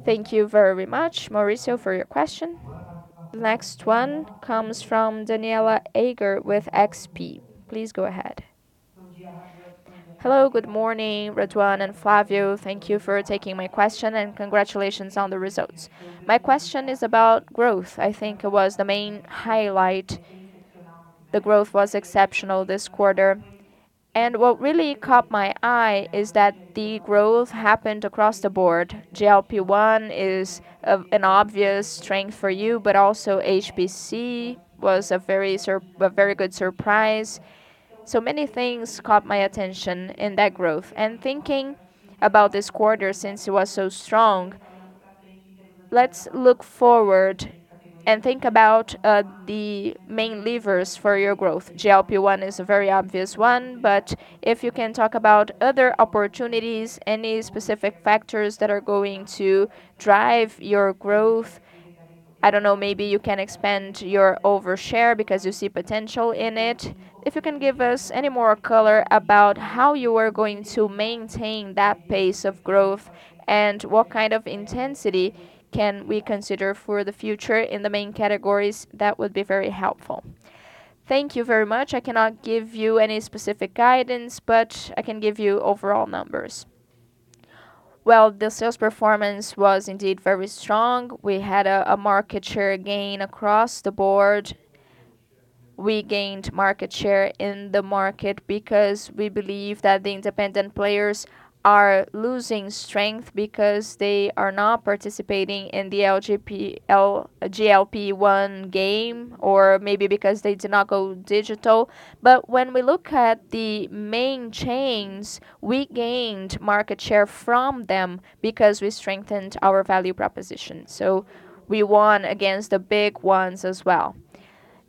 Speaker 1: Thank you very much, Mauricio, for your question. The next one comes from Danniela Eiger with XP. Please go ahead.
Speaker 6: Hello. Good morning, Raduan and Flávio. Thank you for taking my question, and congratulations on the results. My question is about growth. I think it was the main highlight. The growth was exceptional this quarter. What really caught my eye is that the growth happened across the board. GLP-1 is an obvious strength for you, but also HPC was a very good surprise. Many things caught my attention in that growth. Thinking about this quarter, since it was so strong, let's look forward and think about the main levers for your growth. GLP-1 is a very obvious one, but if you can talk about other opportunities, any specific factors that are going to drive your growth. I don't know, maybe you can expand your overshare because you see potential in it. If you can give us any more color about how you are going to maintain that pace of growth and what kind of intensity can we consider for the future in the main categories, that would be very helpful. Thank you very much.
Speaker 2: I cannot give you any specific guidance, but I can give you overall numbers. Well, the sales performance was indeed very strong. We had a market share gain across the board. We gained market share in the market because we believe that the independent players are losing strength because they are not participating in the GLP-1 game or maybe because they did not go digital. When we look at the main chains, we gained market share from them because we strengthened our value proposition. We won against the big ones as well.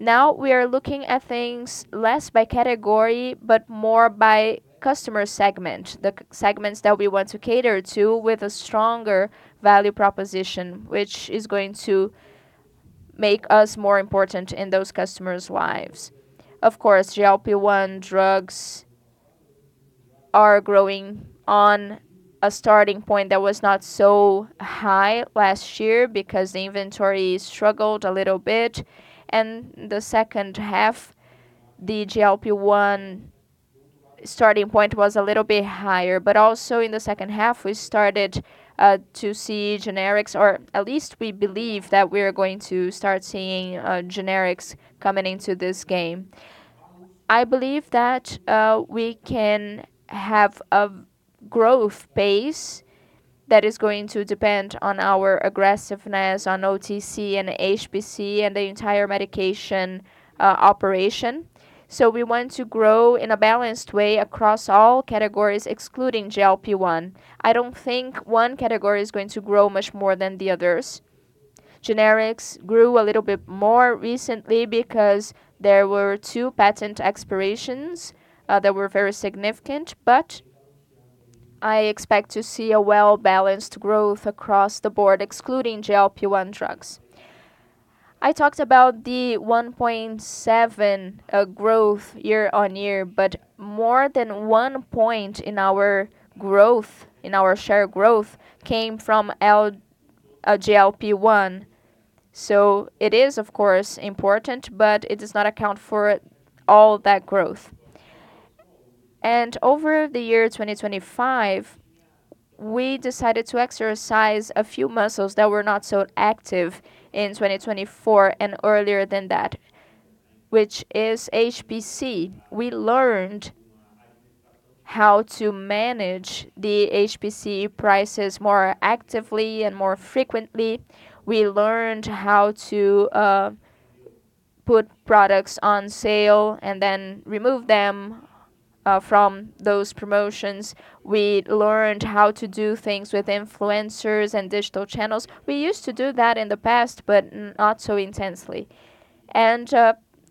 Speaker 2: Now we are looking at things less by category, but more by customer segment. The segments that we want to cater to with a stronger value proposition, which is going to make us more important in those customers' lives. Of course, GLP-1 drugs are growing on a starting point that was not so high last year because the inventory struggled a little bit. The second half, the GLP-1 starting point was a little bit higher. Also in the second half, we started to see generics, or at least we believe that we are going to start seeing generics coming into this game. I believe that we can have a growth base that is going to depend on our aggressiveness on OTC and HPC and the entire medication operation. We want to grow in a balanced way across all categories, excluding GLP-1. I don't think one category is going to grow much more than the others. Generics grew a little bit more recently because there were two patent expirations that were very significant. I expect to see a well-balanced growth across the board, excluding GLP-1 drugs. I talked about the 1.7 growth year-over-year, but more than 1 point in our growth, in our share growth came from GLP-1. It is of course important, but it does not account for all that growth. Over the year 2025, we decided to exercise a few muscles that were not so active in 2024 and earlier than that. Which is HPC. We learned how to manage the HPC prices more actively and more frequently. We learned how to put products on sale and then remove them from those promotions. We learned how to do things with influencers and digital channels. We used to do that in the past, but not so intensely.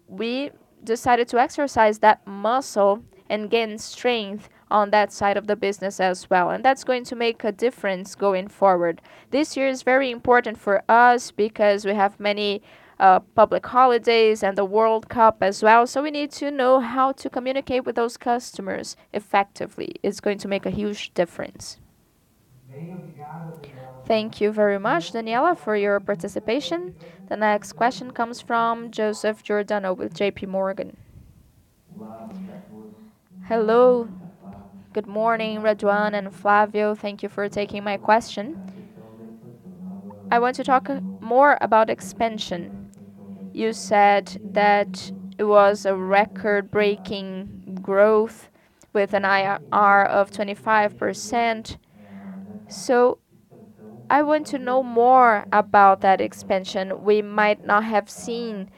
Speaker 2: We decided to exercise that muscle and gain strength on that side of the business as well, and that's going to make a difference going forward. This year is very important for us because we have many public holidays and the World Cup as well. We need to know how to communicate with those customers effectively. It's going to make a huge difference.
Speaker 1: Thank you very much, Danniela, for your participation. The next question comes from Joseph Giordano with JPMorgan.
Speaker 7: Hello. Good morning, Raduan and Flávio. Thank you for taking my question. I want to talk more about expansion. You said that it was a record-breaking growth with an IRR of 25%. I want to know more about that expansion. We might not have seen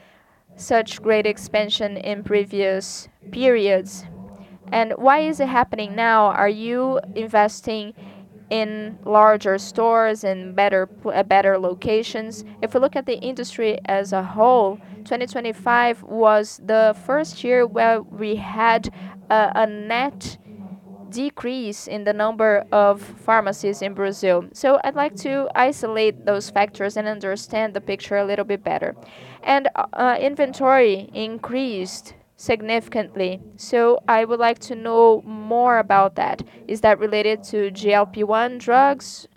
Speaker 7: such great expansion in previous periods. Why is it happening now? Are you investing in larger stores, in better locations? If we look at the industry as a whole, 2025 was the first year where we had a net decrease in the number of pharmacies in Brazil. I'd like to isolate those factors and understand the picture a little bit better. Inventory increased significantly, so I would like to know more about that. Is that related to GLP-1 drugs?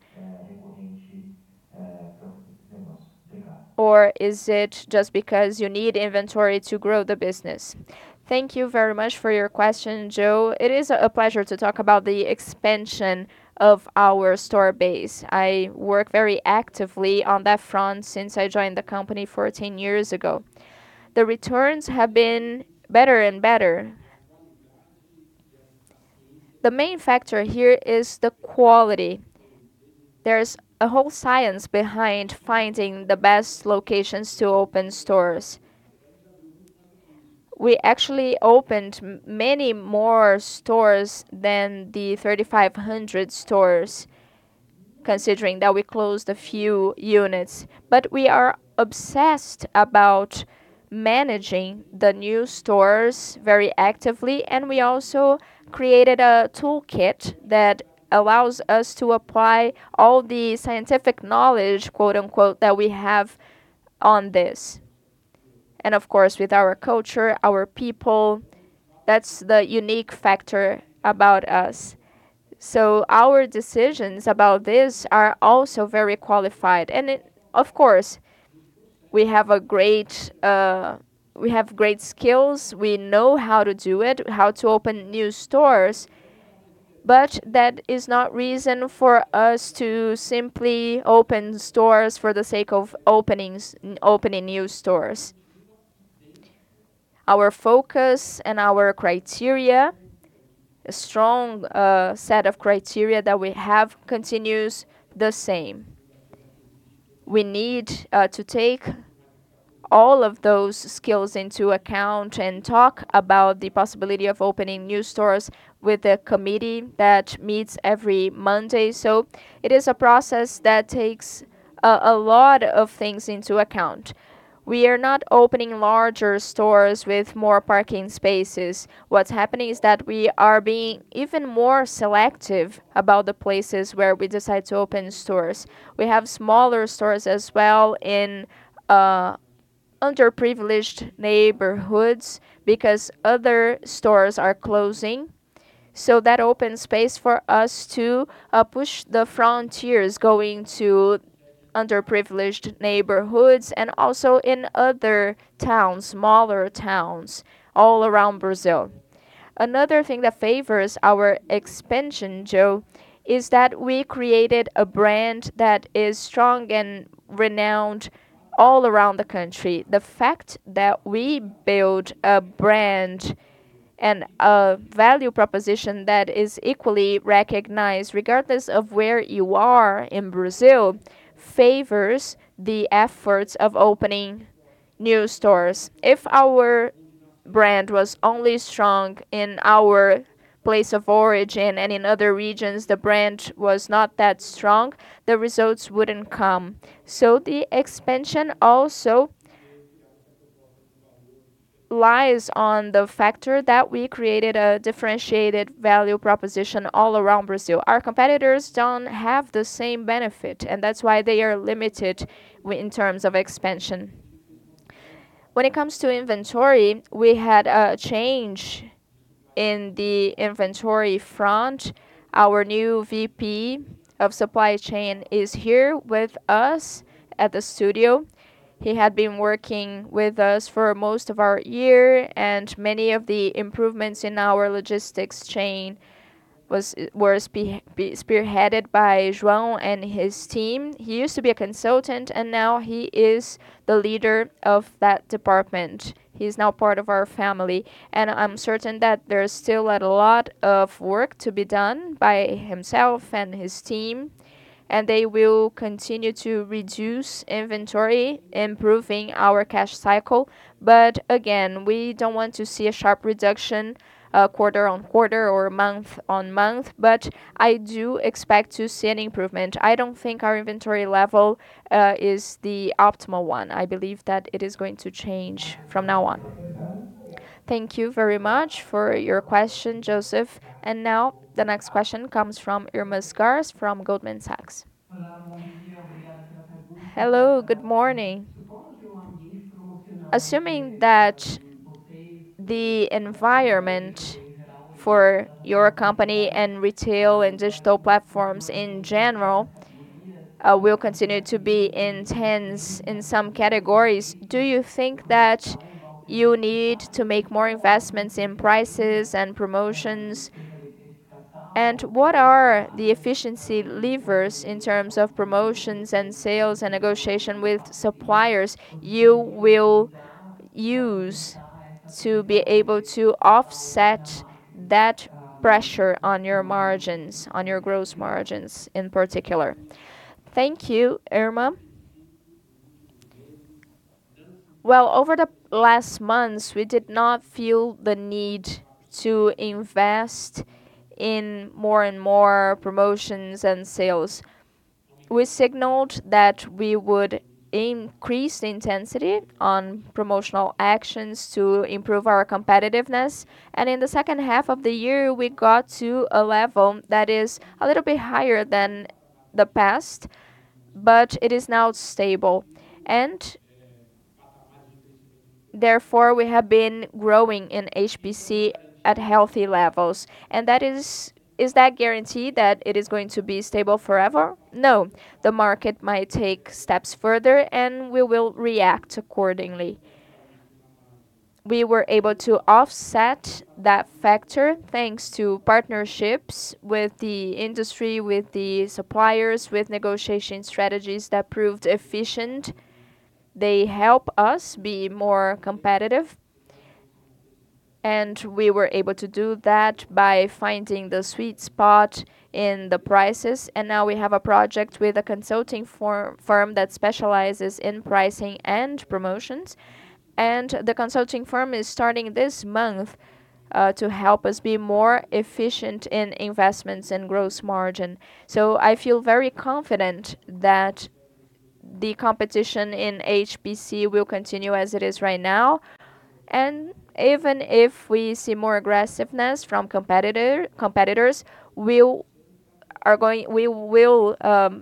Speaker 7: Is it just because you need inventory to grow the business?
Speaker 2: Thank you very much for your question, Joe. It is a pleasure to talk about the expansion of our store base. I work very actively on that front since I joined the company 14 years ago. The returns have been better and better. The main factor here is the quality. There's a whole science behind finding the best locations to open stores. We actually opened many more stores than the 3,500 stores, considering that we closed a few units. We are obsessed about managing the new stores very actively, and we also created a toolkit that allows us to apply all the scientific knowledge, quote-unquote, that we have on this. Of course, with our culture, our people, that's the unique factor about us. Our decisions about this are also very qualified. Of course, we have a great, we have great skills. We know how to do it, how to open new stores, but that is not reason for us to simply open stores for the sake of opening new stores. Our focus and our criteria, a strong set of criteria that we have continues the same. We need to take all of those skills into account and talk about the possibility of opening new stores with a committee that meets every Monday. It is a process that takes a lot of things into account. We are not opening larger stores with more parking spaces. What's happening is that we are being even more selective about the places where we decide to open stores. We have smaller stores as well in underprivileged neighborhoods because other stores are closing. That opens space for us to push the frontiers going to underprivileged neighborhoods and also in other towns, smaller towns all around Brazil. Another thing that favors our expansion, Joe, is that we created a brand that is strong and renowned all around the country. The fact that we build a brand and a value proposition that is equally recognized, regardless of where you are in Brazil, favors the efforts of opening new stores. If our brand was only strong in our place of origin and in other regions the brand was not that strong, the results wouldn't come. The expansion also lies on the factor that we created a differentiated value proposition all around Brazil. Our competitors don't have the same benefit, and that's why they are limited in terms of expansion. When it comes to inventory, we had a change in the inventory front. Our new VP of Supply Chain is here with us at the studio. He had been working with us for most of our year, and many of the improvements in our logistics chain were spearheaded by João and his team. He used to be a consultant, and now he is the leader of that department. He's now part of our family. I'm certain that there's still a lot of work to be done by himself and his team, and they will continue to reduce inventory, improving our cash cycle. Again, we don't want to see a sharp reduction, quarter-on-quarter or month-on-month. I do expect to see an improvement. I don't think our inventory level is the optimal one. I believe that it is going to change from now on.
Speaker 1: Thank you very much for your question, Joseph. Now the next question comes from Irma Sgarz from Goldman Sachs.
Speaker 8: Hello, good morning. Assuming that the environment for your company and retail and digital platforms in general, will continue to be intense in some categories, do you think that you need to make more investments in prices and promotions? What are the efficiency levers in terms of promotions and sales and negotiation with suppliers you will use to be able to offset that pressure on your margins, on your gross margins in particular?
Speaker 2: Thank you, Irma. Well, over the last months, we did not feel the need to invest in more and more promotions and sales. We signaled that we would increase the intensity on promotional actions to improve our competitiveness. In the second half of the year, we got to a level that is a little bit higher than the past, but it is now stable. Therefore, we have been growing in HPC at healthy levels. Is that guaranteed that it is going to be stable forever? No. The market might take steps further, and we will react accordingly. We were able to offset that factor, thanks to partnerships with the industry, with the suppliers, with negotiation strategies that proved efficient. They help us be more competitive, and we were able to do that by finding the sweet spot in the prices. Now we have a project with a consulting firm that specializes in pricing and promotions. The consulting firm is starting this month to help us be more efficient in investments and gross margin. I feel very confident that the competition in HPC will continue as it is right now. Even if we see more aggressiveness from competitors, we will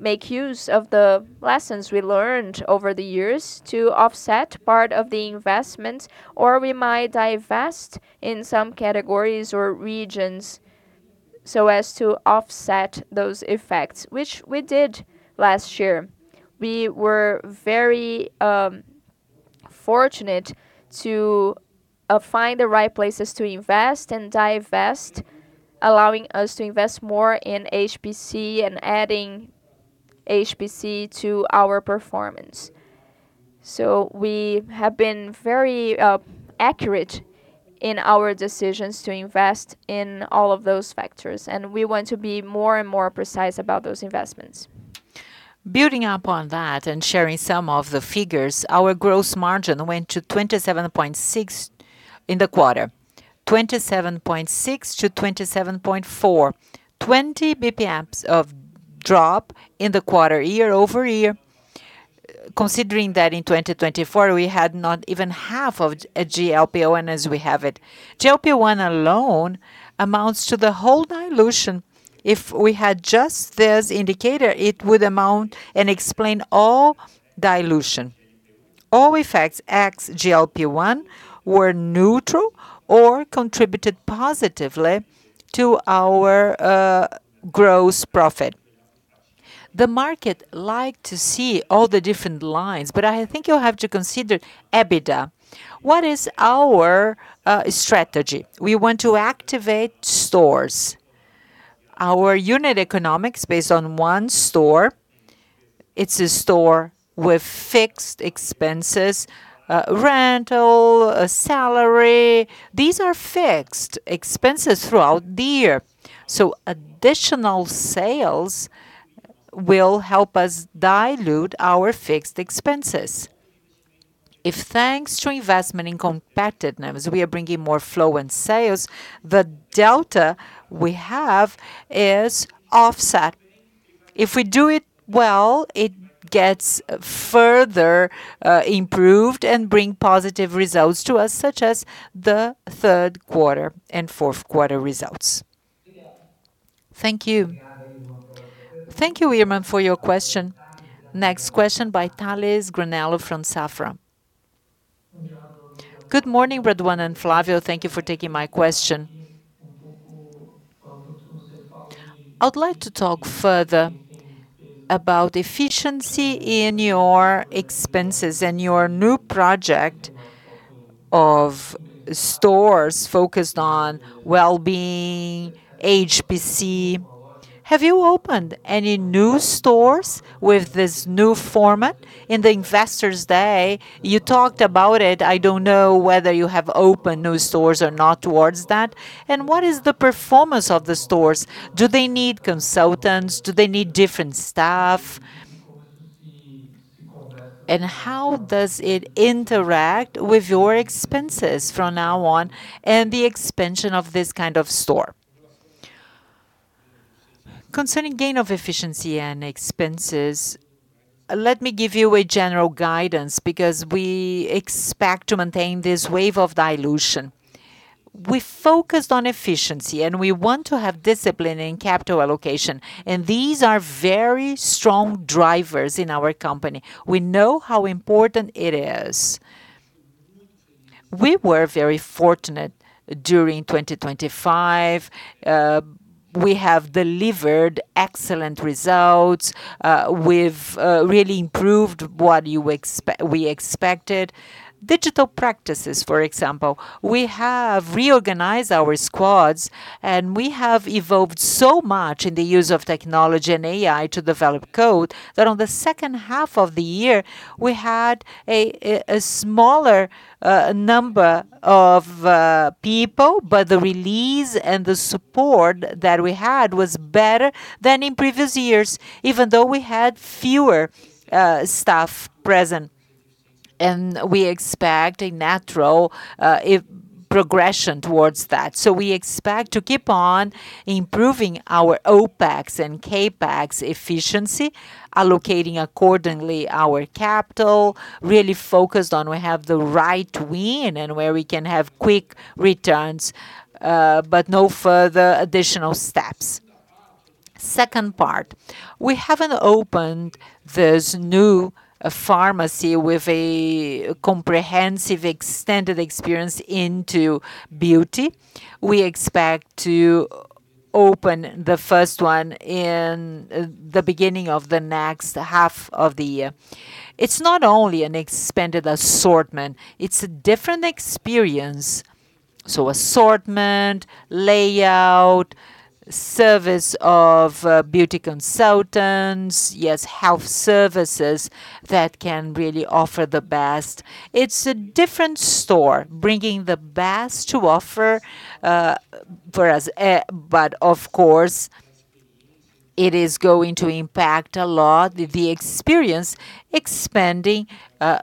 Speaker 2: make use of the lessons we learned over the years to offset part of the investment, or we might divest in some categories or regions so as to offset those effects, which we did last year. We were very fortunate to find the right places to invest and divest, allowing us to invest more in HPC and adding HPC to our performance. We have been very accurate in our decisions to invest in all of those factors, and we want to be more and more precise about those investments.
Speaker 3: Building up on that and sharing some of the figures, our gross margin went to 27.6% in the quarter. 27.6%-27.4%. 20 basis points of drop in the quarter, year-over-year. Considering that in 2024, we had not even half of a GLP-1 as we have it. GLP-1 alone amounts to the whole dilution. If we had just this indicator, it would amount and explain all dilution. All effects, ex-GLP-1, were neutral or contributed positively to our gross profit. The market like to see all the different lines. I think you have to consider EBITDA. What is our strategy? We want to activate stores. Our unit economics based on one store. It's a store with fixed expenses, rental, a salary. These are fixed expenses throughout the year. Additional sales will help us dilute our fixed expenses. THanks to investment in competitiveness, we are bringing more flow in sales, the delta we have is offset. If we do it well, it gets further improved and bring positive results to us, such as the third quarter and fourth quarter results.
Speaker 8: Thank you.
Speaker 1: Thank you, Irma, for your question. Next question by Tales Granello from Safra.
Speaker 9: Good morning, Raduan and Flávio. Thank you for taking my question. I'd like to talk further about efficiency in your expenses and your new project of stores focused on well-being, HPC. Have you opened any new stores with this new format? In the Investor Day, you talked about it. I don't know whether you have opened new stores or not towards that. What is the performance of the stores? Do they need consultants? Do they need different staff? How does it interact with your expenses from now on and the expansion of this kind of store?
Speaker 2: Concerning gain of efficiency and expenses, let me give you a general guidance because we expect to maintain this wave of dilution. We focused on efficiency, and we want to have discipline in capital allocation, and these are very strong drivers in our company. We know how important it is. We were very fortunate during 2025. We have delivered excellent results. We've really improved what we expected. Digital practices, for example. We have reorganized our squads, and we have evolved so much in the use of technology and AI to develop code that on the second half of the year, we had a smaller number of people, but the release and the support that we had was better than in previous years, even though we had fewer staff present. We expect a natural progression towards that. We expect to keep on improving our OpEx and CapEx efficiency, allocating accordingly our capital, really focused on we have the right win and where we can have quick returns. No further additional steps. Second part, we haven't opened this new pharmacy with a comprehensive extended experience into beauty. We expect to open the first one in the beginning of the next half of the year. It's not only an expanded assortment, it's a different experience. Assortment, layout, service of beauty consultants. Yes, health services that can really offer the best. It's a different store bringing the best to offer for us. Of course, it is going to impact a lot the experience expanding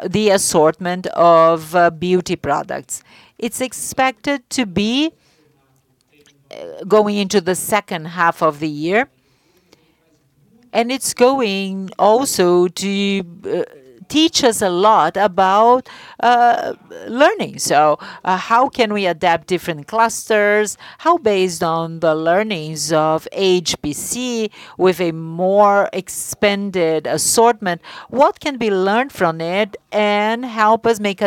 Speaker 2: the assortment of beauty products. It's expected to be going into the second half of the year, and it's going also to teach us a lot about learning. How can we adapt different clusters? How based on the learnings of HPC with a more expanded assortment, what can be learned from it and help us make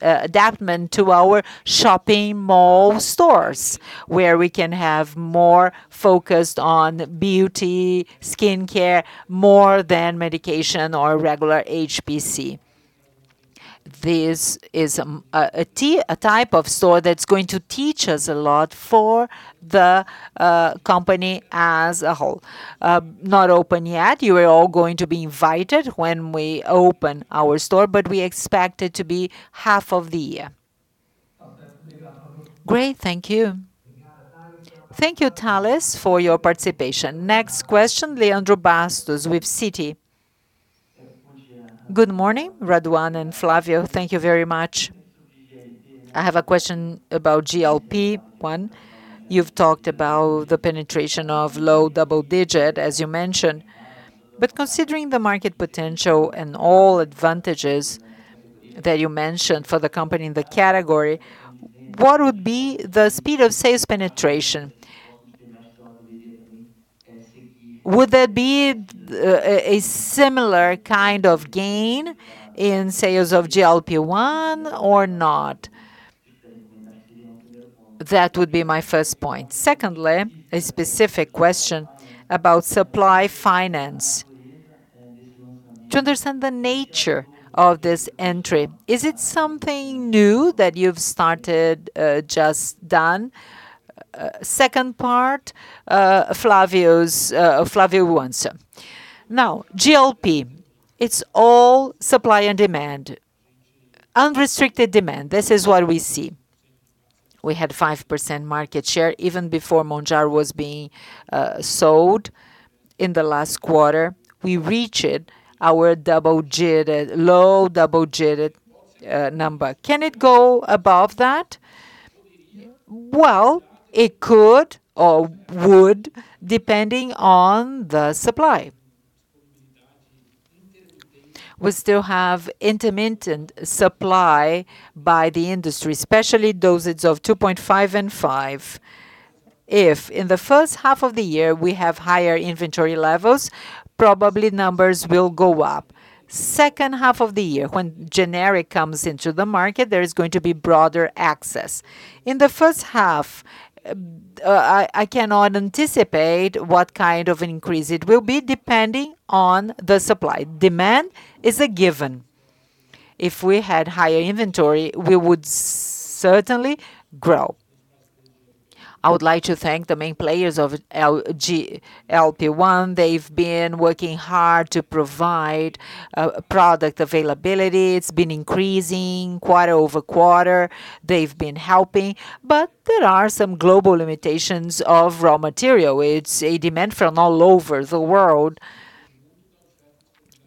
Speaker 2: adaptment to our shopping mall stores where we can have more focused on beauty, skincare, more than medication or regular HPC. This is a type of store that's going to teach us a lot for the company as a whole. Not open yet. You are all going to be invited when we open our store, but we expect it to be half of the year.
Speaker 9: Great. Thank you.
Speaker 1: Thank you, Tales, for your participation. Next question, Leandro Bastos with Citi.
Speaker 10: Good morning, Raduan and Flávio. Thank you very much. I have a question about GLP-1. You've talked about the penetration of low double digit, as you mentioned. Considering the market potential and all advantages that you mentioned for the company in the category, what would be the speed of sales penetration? Would there be a similar kind of gain in sales of GLP-1 or not? That would be my first point. Secondly, a specific question about supply finance. To understand the nature of this entry, is it something new that you've started, just done?
Speaker 2: Second part, Flávio will answer. GLP, it's all supply and demand. Unrestricted demand. This is what we see. We had 5% market share even before Mounjaro was being sold in the last quarter. We reached our low double-digit number. Can it go above that? It could or would, depending on the supply. We still have intermittent supply by the industry, especially dosages of 2.5 gr and 5 gr. If in the first half of the year we have higher inventory levels, probably numbers will go up. Second half of the year, when generic comes into the market, there is going to be broader access. In the first half, I cannot anticipate what kind of increase it will be depending on the supply. Demand is a given. If we had higher inventory, we would certainly grow. I would like to thank the main players of GLP-1. They've been working hard to provide product availability. It's been increasing quarter over quarter. They've been helping, there are some global limitations of raw material. It's a demand from all over the world.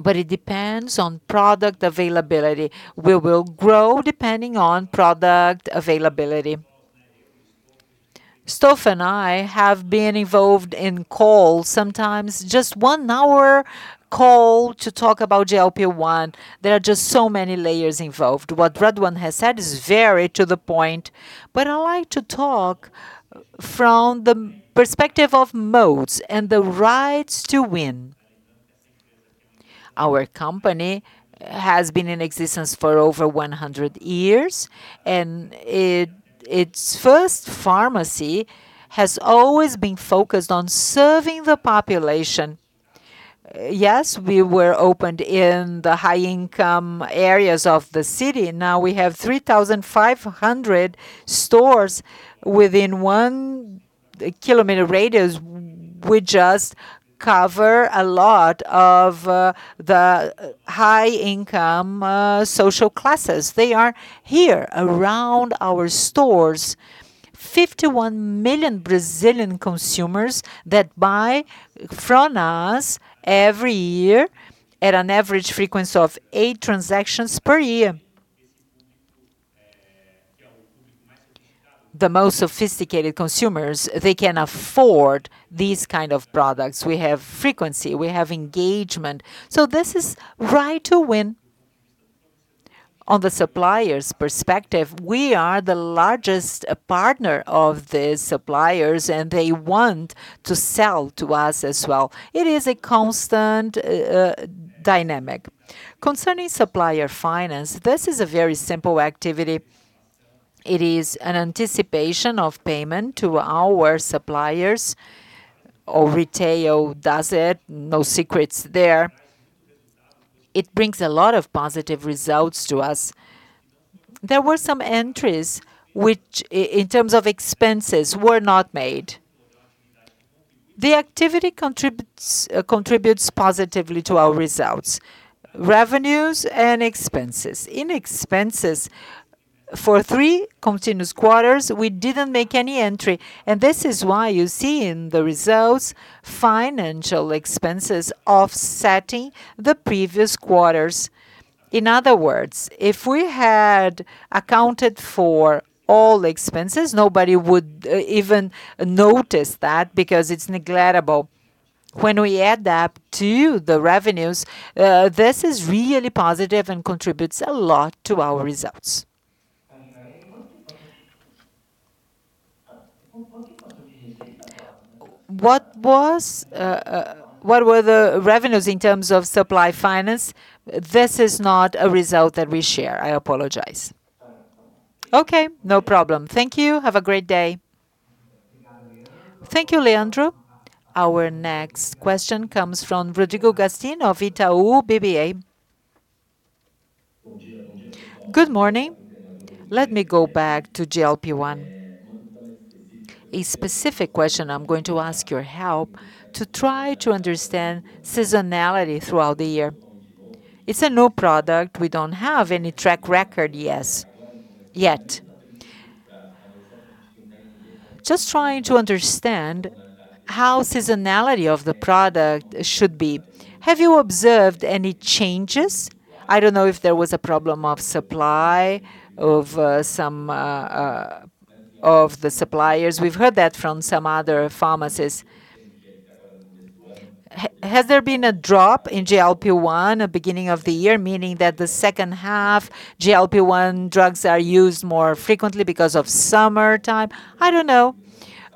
Speaker 2: It depends on product availability. We will grow depending on product availability. and I have been involved in calls, sometimes just one-hour call to talk about GLP-1.
Speaker 3: There are just so many layers involved. What Raduan has said is very to the point, but I like to talk from the perspective of modes and the rights to win. Our company has been in existence for over 100 years, and it, its first pharmacy has always been focused on serving the population. Yes, we were opened in the high-income areas of the city. Now we have 3,500 stores within 1 km radius. We just cover a lot of the high-income social classes. They are here around our stores. 51 million Brazilian consumers that buy from us every year at an average frequency of eight transactions per year. The most sophisticated consumers, they can afford these kind of products. We have frequency, we have engagement. This is right to win. On the suppliers' perspective, we are the largest partner of the suppliers. They want to sell to us as well. It is a constant dynamic. Concerning supplier finance, this is a very simple activity. It is an anticipation of payment to our suppliers, or retail does it. No secrets there. It brings a lot of positive results to us. There were some entries which in terms of expenses were not made. The activity contributes positively to our results. Revenues and expenses. In expenses, for three continuous quarters, we didn't make any entry. This is why you see in the results financial expenses offsetting the previous quarters. In other words, if we had accounted for all expenses, nobody would even notice that because it's neglectable. When we add that to the revenues, this is really positive and contributes a lot to our results.
Speaker 10: What were the revenues in terms of supply finance?
Speaker 2: This is not a result that we share. I apologize.
Speaker 10: Okay, no problem. Thank you. Have a great day.
Speaker 1: Thank you, Leandro. Our next question comes from Rodrigo Gastim of Itaú BBA.
Speaker 11: Good morning. Let me go back to GLP-1. A specific question, I'm going to ask your help to try to understand seasonality throughout the year. It's a new product. We don't have any track record yet. Trying to understand how seasonality of the product should be. Have you observed any changes? I don't know if there was a problem of supply of some of the suppliers. We've heard that from some other pharmacies. Has there been a drop in GLP-1 at beginning of the year, meaning that the second half GLP-1 drugs are used more frequently because of summertime?
Speaker 2: I don't know.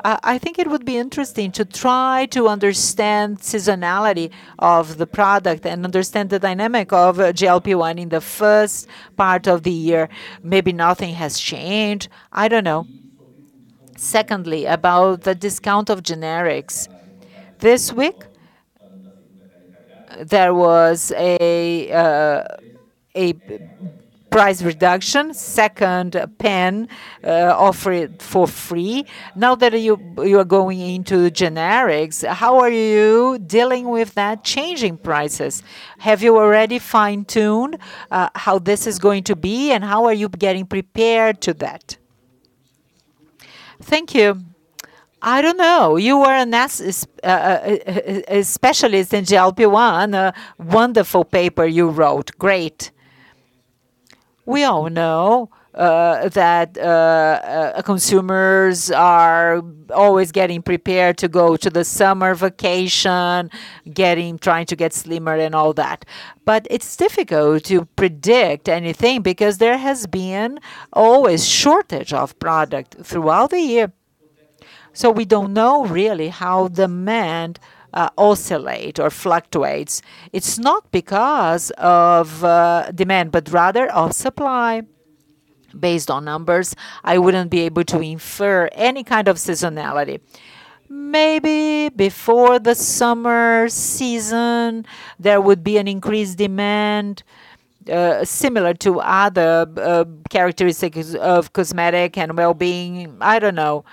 Speaker 2: I think it would be interesting to try to understand seasonality of the product and understand the dynamic of GLP-1 in the first part of the year. Maybe nothing has changed. I don't know.
Speaker 11: Secondly, about the discount of generics. This week, there was a price reduction, second pen offered for free. Now that you are going into generics, how are you dealing with that changing prices? Have you already fine-tuned how this is going to be, and how are you getting prepared to that? Thank you.
Speaker 2: I don't know. You are a specialist in GLP-1. A wonderful paper you wrote. Great. We all know that consumers are always getting prepared to go to the summer vacation, trying to get slimmer and all that. It's difficult to predict anything because there has been always shortage of product throughout the year. We don't know really how demand oscillate or fluctuates. It's not because of demand, but rather of supply. Based on numbers, I wouldn't be able to infer any kind of seasonality. Maybe before the summer season, there would be an increased demand similar to other characteristics of cosmetic and wellbeing. I don't know.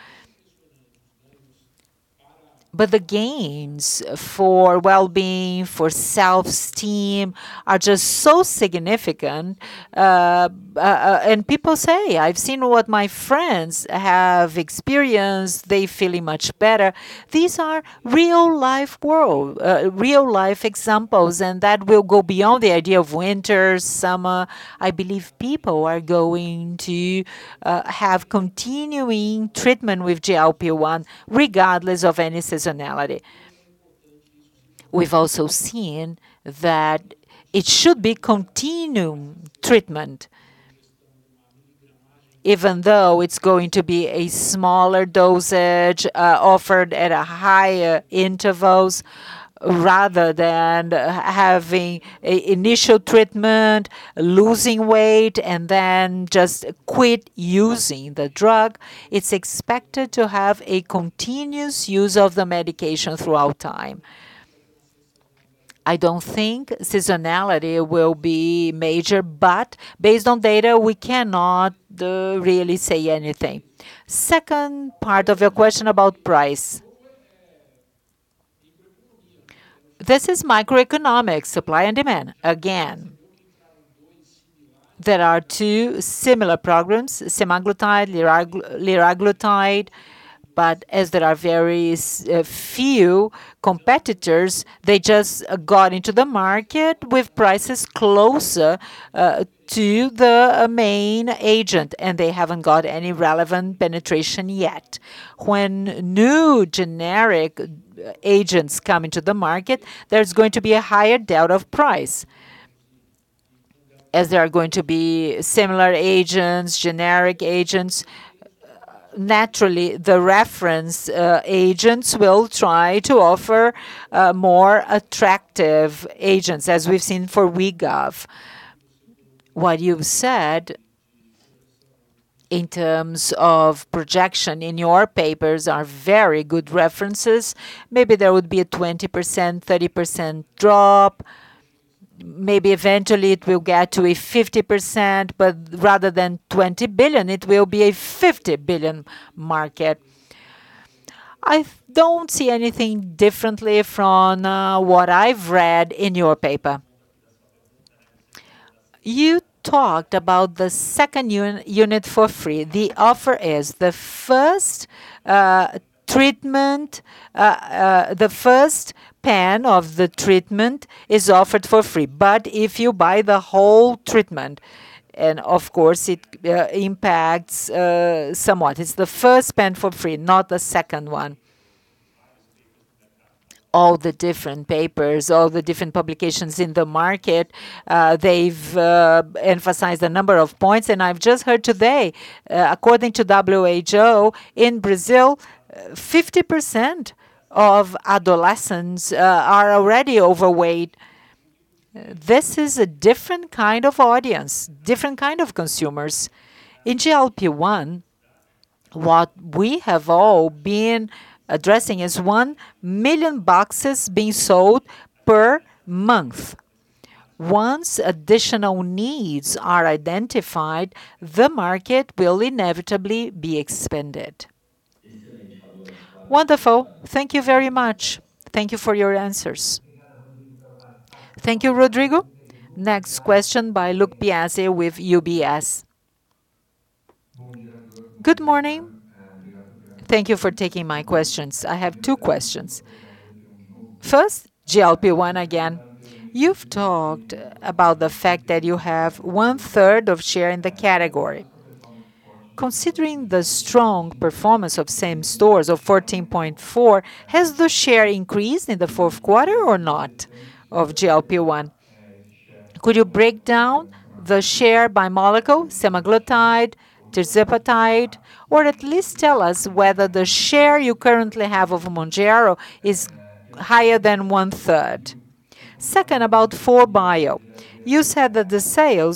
Speaker 2: The gains for wellbeing, for self-esteem are just so significant. And people say, "I've seen what my friends have experienced. They're feeling much better." These are real-life examples, and that will go beyond the idea of winter, summer. I believe people are going to have continuing treatment with GLP-1 regardless of any seasonality. We've also seen that it should be continuum treatment, even though it's going to be a smaller dosage, offered at higher intervals, rather than having a initial treatment, losing weight, and then just quit using the drug. It's expected to have a continuous use of the medication throughout time. I don't think seasonality will be major, but based on data, we cannot really say anything. Second part of your question about price. This is microeconomics, supply and demand. Again, there are two similar programs, semaglutide, liraglutide. As there are very few competitors, they just got into the market with prices closer to the main agent, and they haven't got any relevant penetration yet. When new generic agents come into the market, there's going to be a higher doubt of price. As there are going to be similar agents, generic agents, naturally, the reference agents will try to offer more attractive agents, as we've seen for Wegovy. What you've said in terms of projection in your papers are very good references. Maybe there would be a 20%, 30% drop. Maybe eventually it will get to a 50%, rather than $20 billion, it will be a $50 billion market. I don't see anything differently from what I've read in your paper. You talked about the second for free. The offer is the first treatment. The first pen of the treatment is offered for free. If you buy the whole treatment, and of course, it impacts somewhat. It's the first pen for free, not the second one. All the different papers, all the different publications in the market, they've emphasized a number of points. I've just heard today, according to WHO, in Brazil, 50% of adolescents are already overweight. This is a different kind of audience, different kind of consumers. In GLP-1, what we have all been addressing is 1 million boxes being sold per month. Once additional needs are identified, the market will inevitably be expanded.
Speaker 11: Wonderful. Thank you very much. Thank you for your answers.
Speaker 1: Thank you, Rodrigo. Next question by with UBS.
Speaker 12: Good morning. Thank you for taking my questions. I have two questions. First, GLP-1 again. You've talked about the fact that you have 1/3 of share in the category. Considering the strong performance of same stores of 14.4%, has the share increased in the fourth quarter or not of GLP-1? Could you break down the share by molecule, semaglutide, tirzepatide, or at least tell us whether the share you currently have of Mounjaro is higher than 1/3. Second, about 4Bio. You said that the sale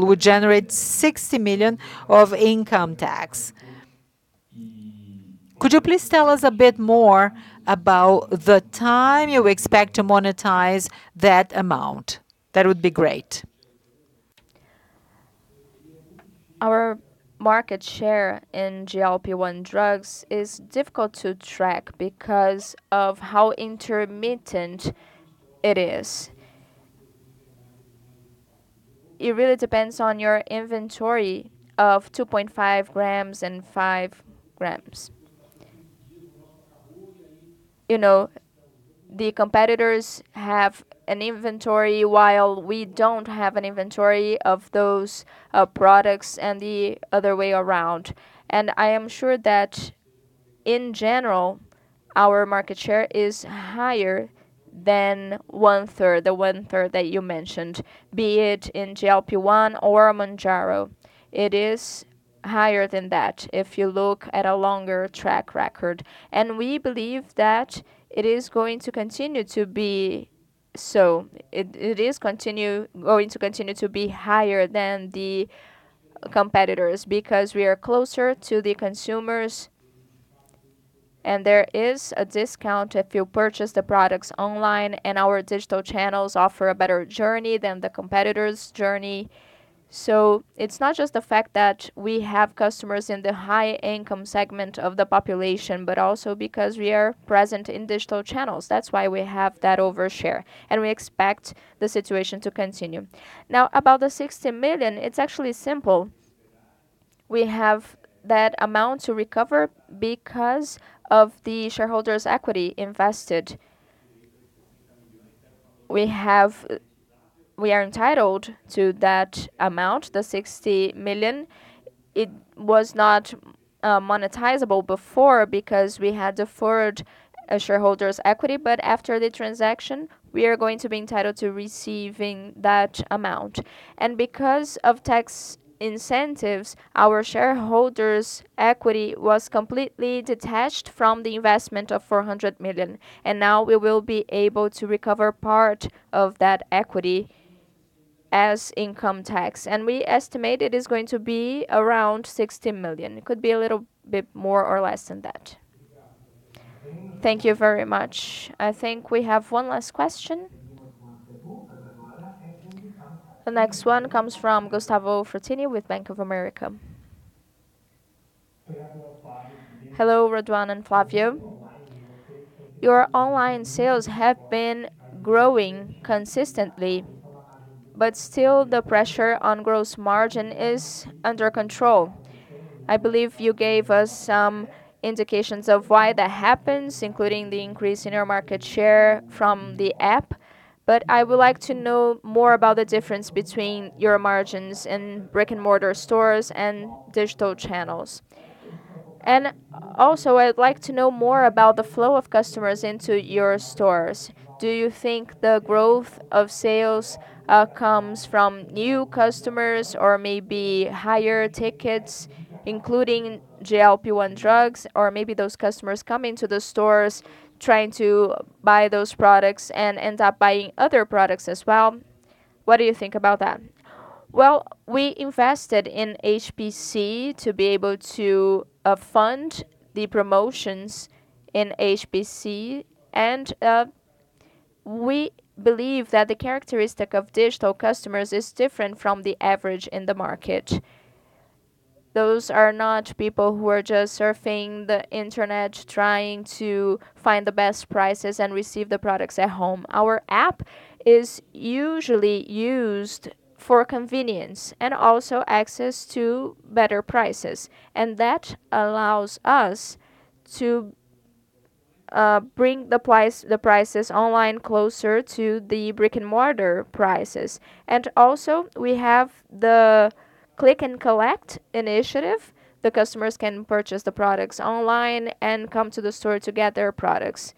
Speaker 12: would generate 60 million of income tax. Could you please tell us a bit more about the time you expect to monetize that amount? That would be great.
Speaker 2: Our market share in GLP-1 drugs is difficult to track because of how intermittent it is. It really depends on your inventory of 2.5 gr and 5 gr. You know, the competitors have an inventory while we don't have an inventory of those products and the other way around. I am sure that in general, our market share is higher than 1/3, the 1/3 that you mentioned, be it in GLP-1 or Mounjaro. It is higher than that if you look at a longer track record. We believe that it is going to continue to be. It is going to continue to be higher than the competitors because we are closer to the consumers and there is a discount if you purchase the products online and our digital channels offer a better journey than the competitor's journey. It's not just the fact that we have customers in the high income segment of the population, but also because we are present in digital channels. That's why we have that overshare and we expect the situation to continue. About the 60 million, it's actually simple. We have that amount to recover because of the shareholders' equity invested. We are entitled to that amount, the 60 million. It was not monetizable before because we had deferred a shareholders' equity. After the transaction, we are going to be entitled to receiving that amount. Because of tax incentives, our shareholders' equity was completely detached from the investment of 400 million. Now we will be able to recover part of that equity as income tax. We estimate it is going to be around 60 million. It could be a little bit more or less than that.
Speaker 1: Thank you very much. I think we have one last question. The next one comes from Gustavo Fratini with Bank of America.
Speaker 13: Hello, Raduan and Flávio. Your online sales have been growing consistently, still the pressure on gross margin is under control. I believe you gave us some indications of why that happens, including the increase in your market share from the app. I would like to know more about the difference between your margins in brick-and-mortar stores and digital channels. Also, I'd like to know more about the flow of customers into your stores. Do you think the growth of sales comes from new customers or maybe higher tickets, including GLP-1 drugs? Maybe those customers come into the stores trying to buy those products and end up buying other products as well. What do you think about that?
Speaker 2: Well, we invested in HPC to be able to fund the promotions in HPC. We believe that the characteristic of digital customers is different from the average in the market. Those are not people who are just surfing the internet trying to find the best prices and receive the products at home. Our app is usually used for convenience and also access to better prices. That allows us to bring the prices online closer to the brick-and-mortar prices. We have the click and collect initiative. The customers can purchase the products online and come to the store to get their products.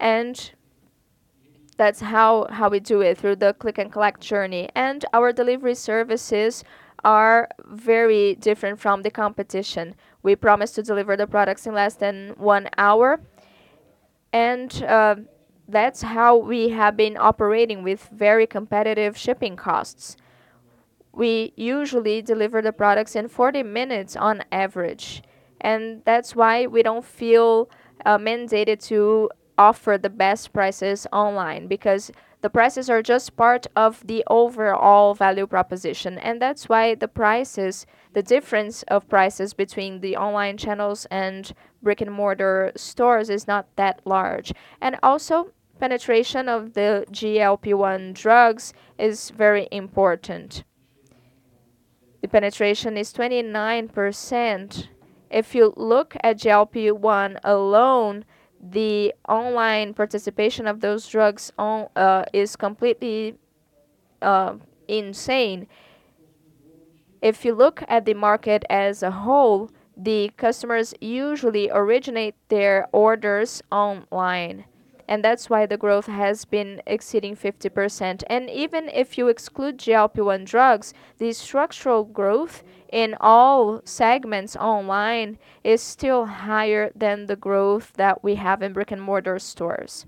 Speaker 2: That's how we do it, through the click and collect journey. Our delivery services are very different from the competition. We promise to deliver the products in less than one hour and that's how we have been operating with very competitive shipping costs. We usually deliver the products in 40 minutes on average, and that's why we don't feel mandated to offer the best prices online because the prices are just part of the overall value proposition. That's why the difference of prices between the online channels and brick-and-mortar stores is not that large. Penetration of the GLP-1 drugs is very important. The penetration is 29%. If you look at GLP-1 alone, the online participation of those drugs on is completely insane. If you look at the market as a whole, the customers usually originate their orders online and that's why the growth has been exceeding 50%. Even if you exclude GLP-1 drugs, the structural growth in all segments online is still higher than the growth that we have in brick-and-mortar stores.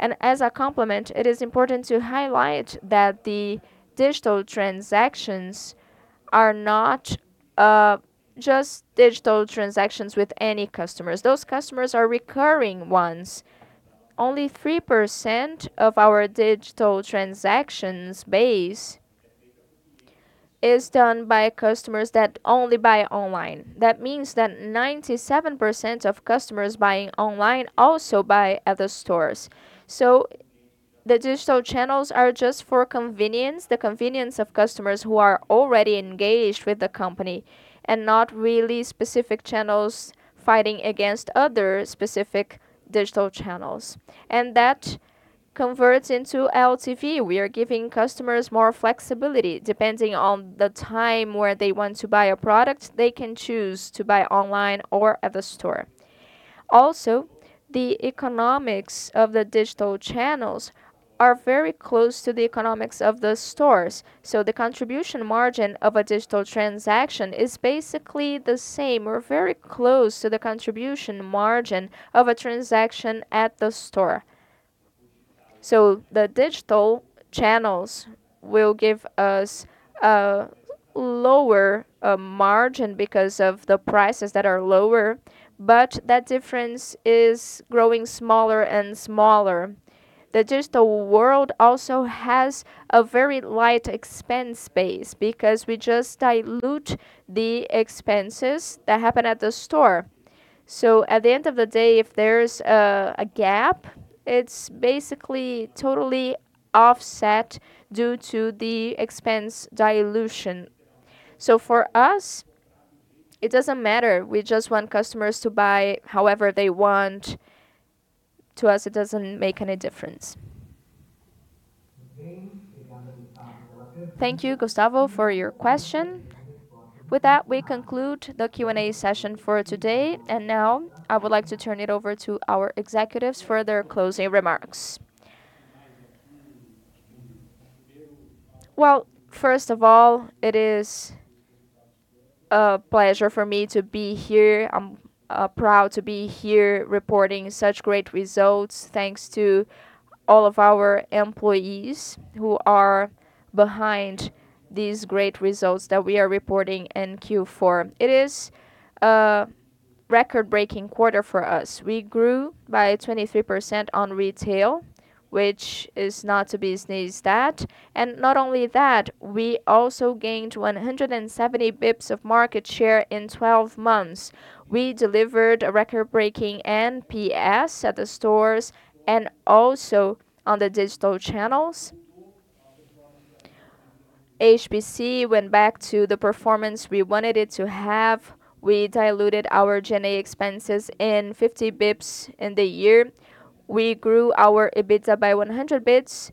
Speaker 2: As a complement, it is important to highlight that the digital transactions are not just digital transactions with any customers. Those customers are recurring ones. Only 3% of our digital transactions base is done by customers that only buy online. That means that 97% of customers buying online also buy at the stores. The digital channels are just for convenience, the convenience of customers who are already engaged with the company and not really specific channels fighting against other specific digital channels. That converts into LTV. We are giving customers more flexibility depending on the time where they want to buy a product, they can choose to buy online or at the store. The economics of the digital channels are very close to the economics of the stores. The contribution margin of a digital transaction is basically the same or very close to the contribution margin of a transaction at the store. The digital channels will give us a lower margin because of the prices that are lower, but that difference is growing smaller and smaller. The digital world also has a very light expense base because we just dilute the expenses that happen at the store. At the end of the day, if there's a gap, it's basically totally offset due to the expense dilution. For us, it doesn't matter. We just want customers to buy however they want. To us, it doesn't make any difference.
Speaker 1: Thank you, Gustavo, for your question. With that, we conclude the Q&A session for today. Now I would like to turn it over to our executives for their closing remarks.
Speaker 2: Well, first of all, it is a pleasure for me to be here. I'm proud to be here reporting such great results. Thanks to all of our employees who are behind these great results that we are reporting in Q4. It is a record-breaking quarter for us. We grew by 23% on retail, which is not to be sneezed at. Not only that, we also gained 170 basis points of market share in 12 months. We delivered a record-breaking NPS at the stores and also on the digital channels. HPC went back to the performance we wanted it to have. We diluted our G&A expenses in 50 basis points in the year. We grew our EBITDA by 100 basis points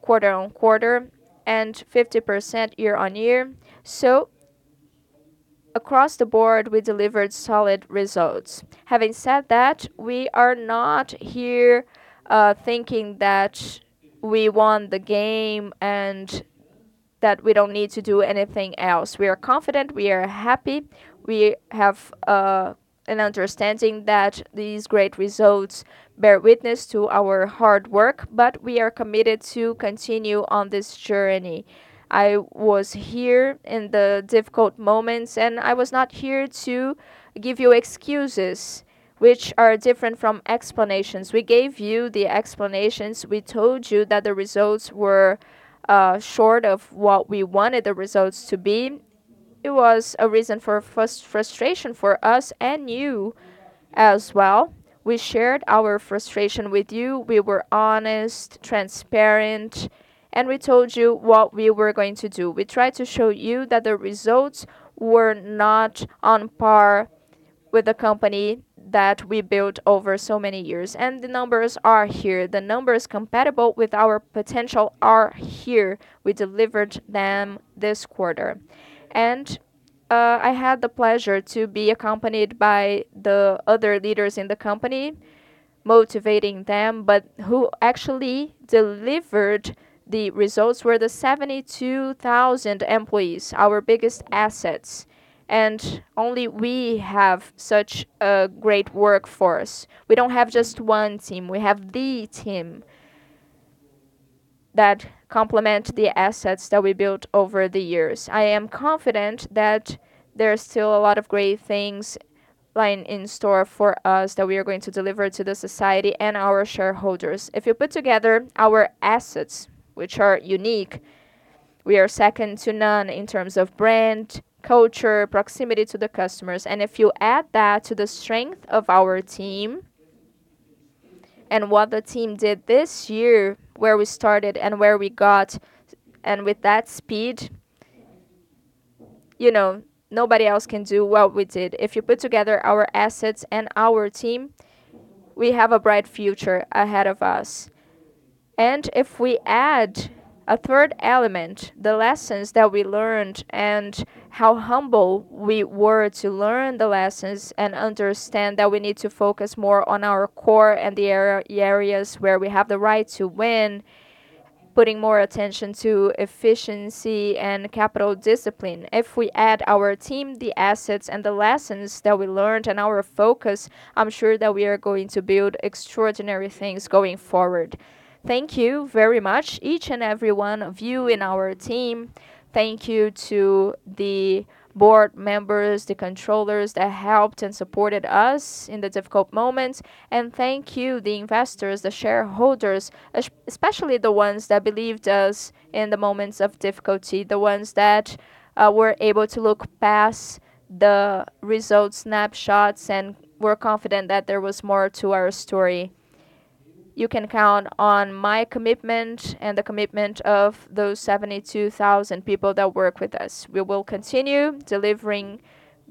Speaker 2: quarter-on-quarter and 50% year-on-year. Across the board, we delivered solid results. Having said that, we are not here, thinking that we won the game and that we don't need to do anything else. We are confident. We are happy. We have an understanding that these great results bear witness to our hard work, but we are committed to continue on this journey. I was here in the difficult moments. I was not here to give you excuses which are different from explanations. We gave you the explanations. We told you that the results were short of what we wanted the results to be. It was a reason for frustration for us and you as well. We shared our frustration with you. We were honest, transparent, and we told you what we were going to do. We tried to show you that the results were not on par with the company that we built over so many years. The numbers are here. The numbers compatible with our potential are here. We delivered them this quarter. I had the pleasure to be accompanied by the other leaders in the company, motivating them, but who actually delivered the results were the 72,000 employees, our biggest assets. Only we have such a great workforce. We don't have just one team. We have the team that complement the assets that we built over the years. I am confident that there are still a lot of great things lying in store for us that we are going to deliver to the society and our shareholders. If you put together our assets, which are unique, we are second to none in terms of brand, culture, proximity to the customers, and if you add that to the strength of our team and what the team did this year, where we started and where we got, and with that speed, you know, nobody else can do what we did. If you put together our assets and our team, we have a bright future ahead of us. If we add a third element, the lessons that we learned and how humble we were to learn the lessons and understand that we need to focus more on our core and the areas where we have the right to win, putting more attention to efficiency and capital discipline. If we add our team, the assets and the lessons that we learned and our focus, I'm sure that we are going to build extraordinary things going forward. Thank you very much each and every one of you in our team. Thank you to the board members, the controllers that helped and supported us in the difficult moments. Thank you, the investors, the shareholders, especially the ones that believed us in the moments of difficulty, the ones that were able to look past the results snapshots and were confident that there was more to our story. You can count on my commitment and the commitment of those 72,000 people that work with us. We will continue delivering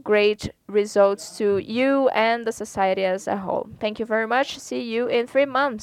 Speaker 2: great results to you and the society as a whole. Thank you very much. See you in three months.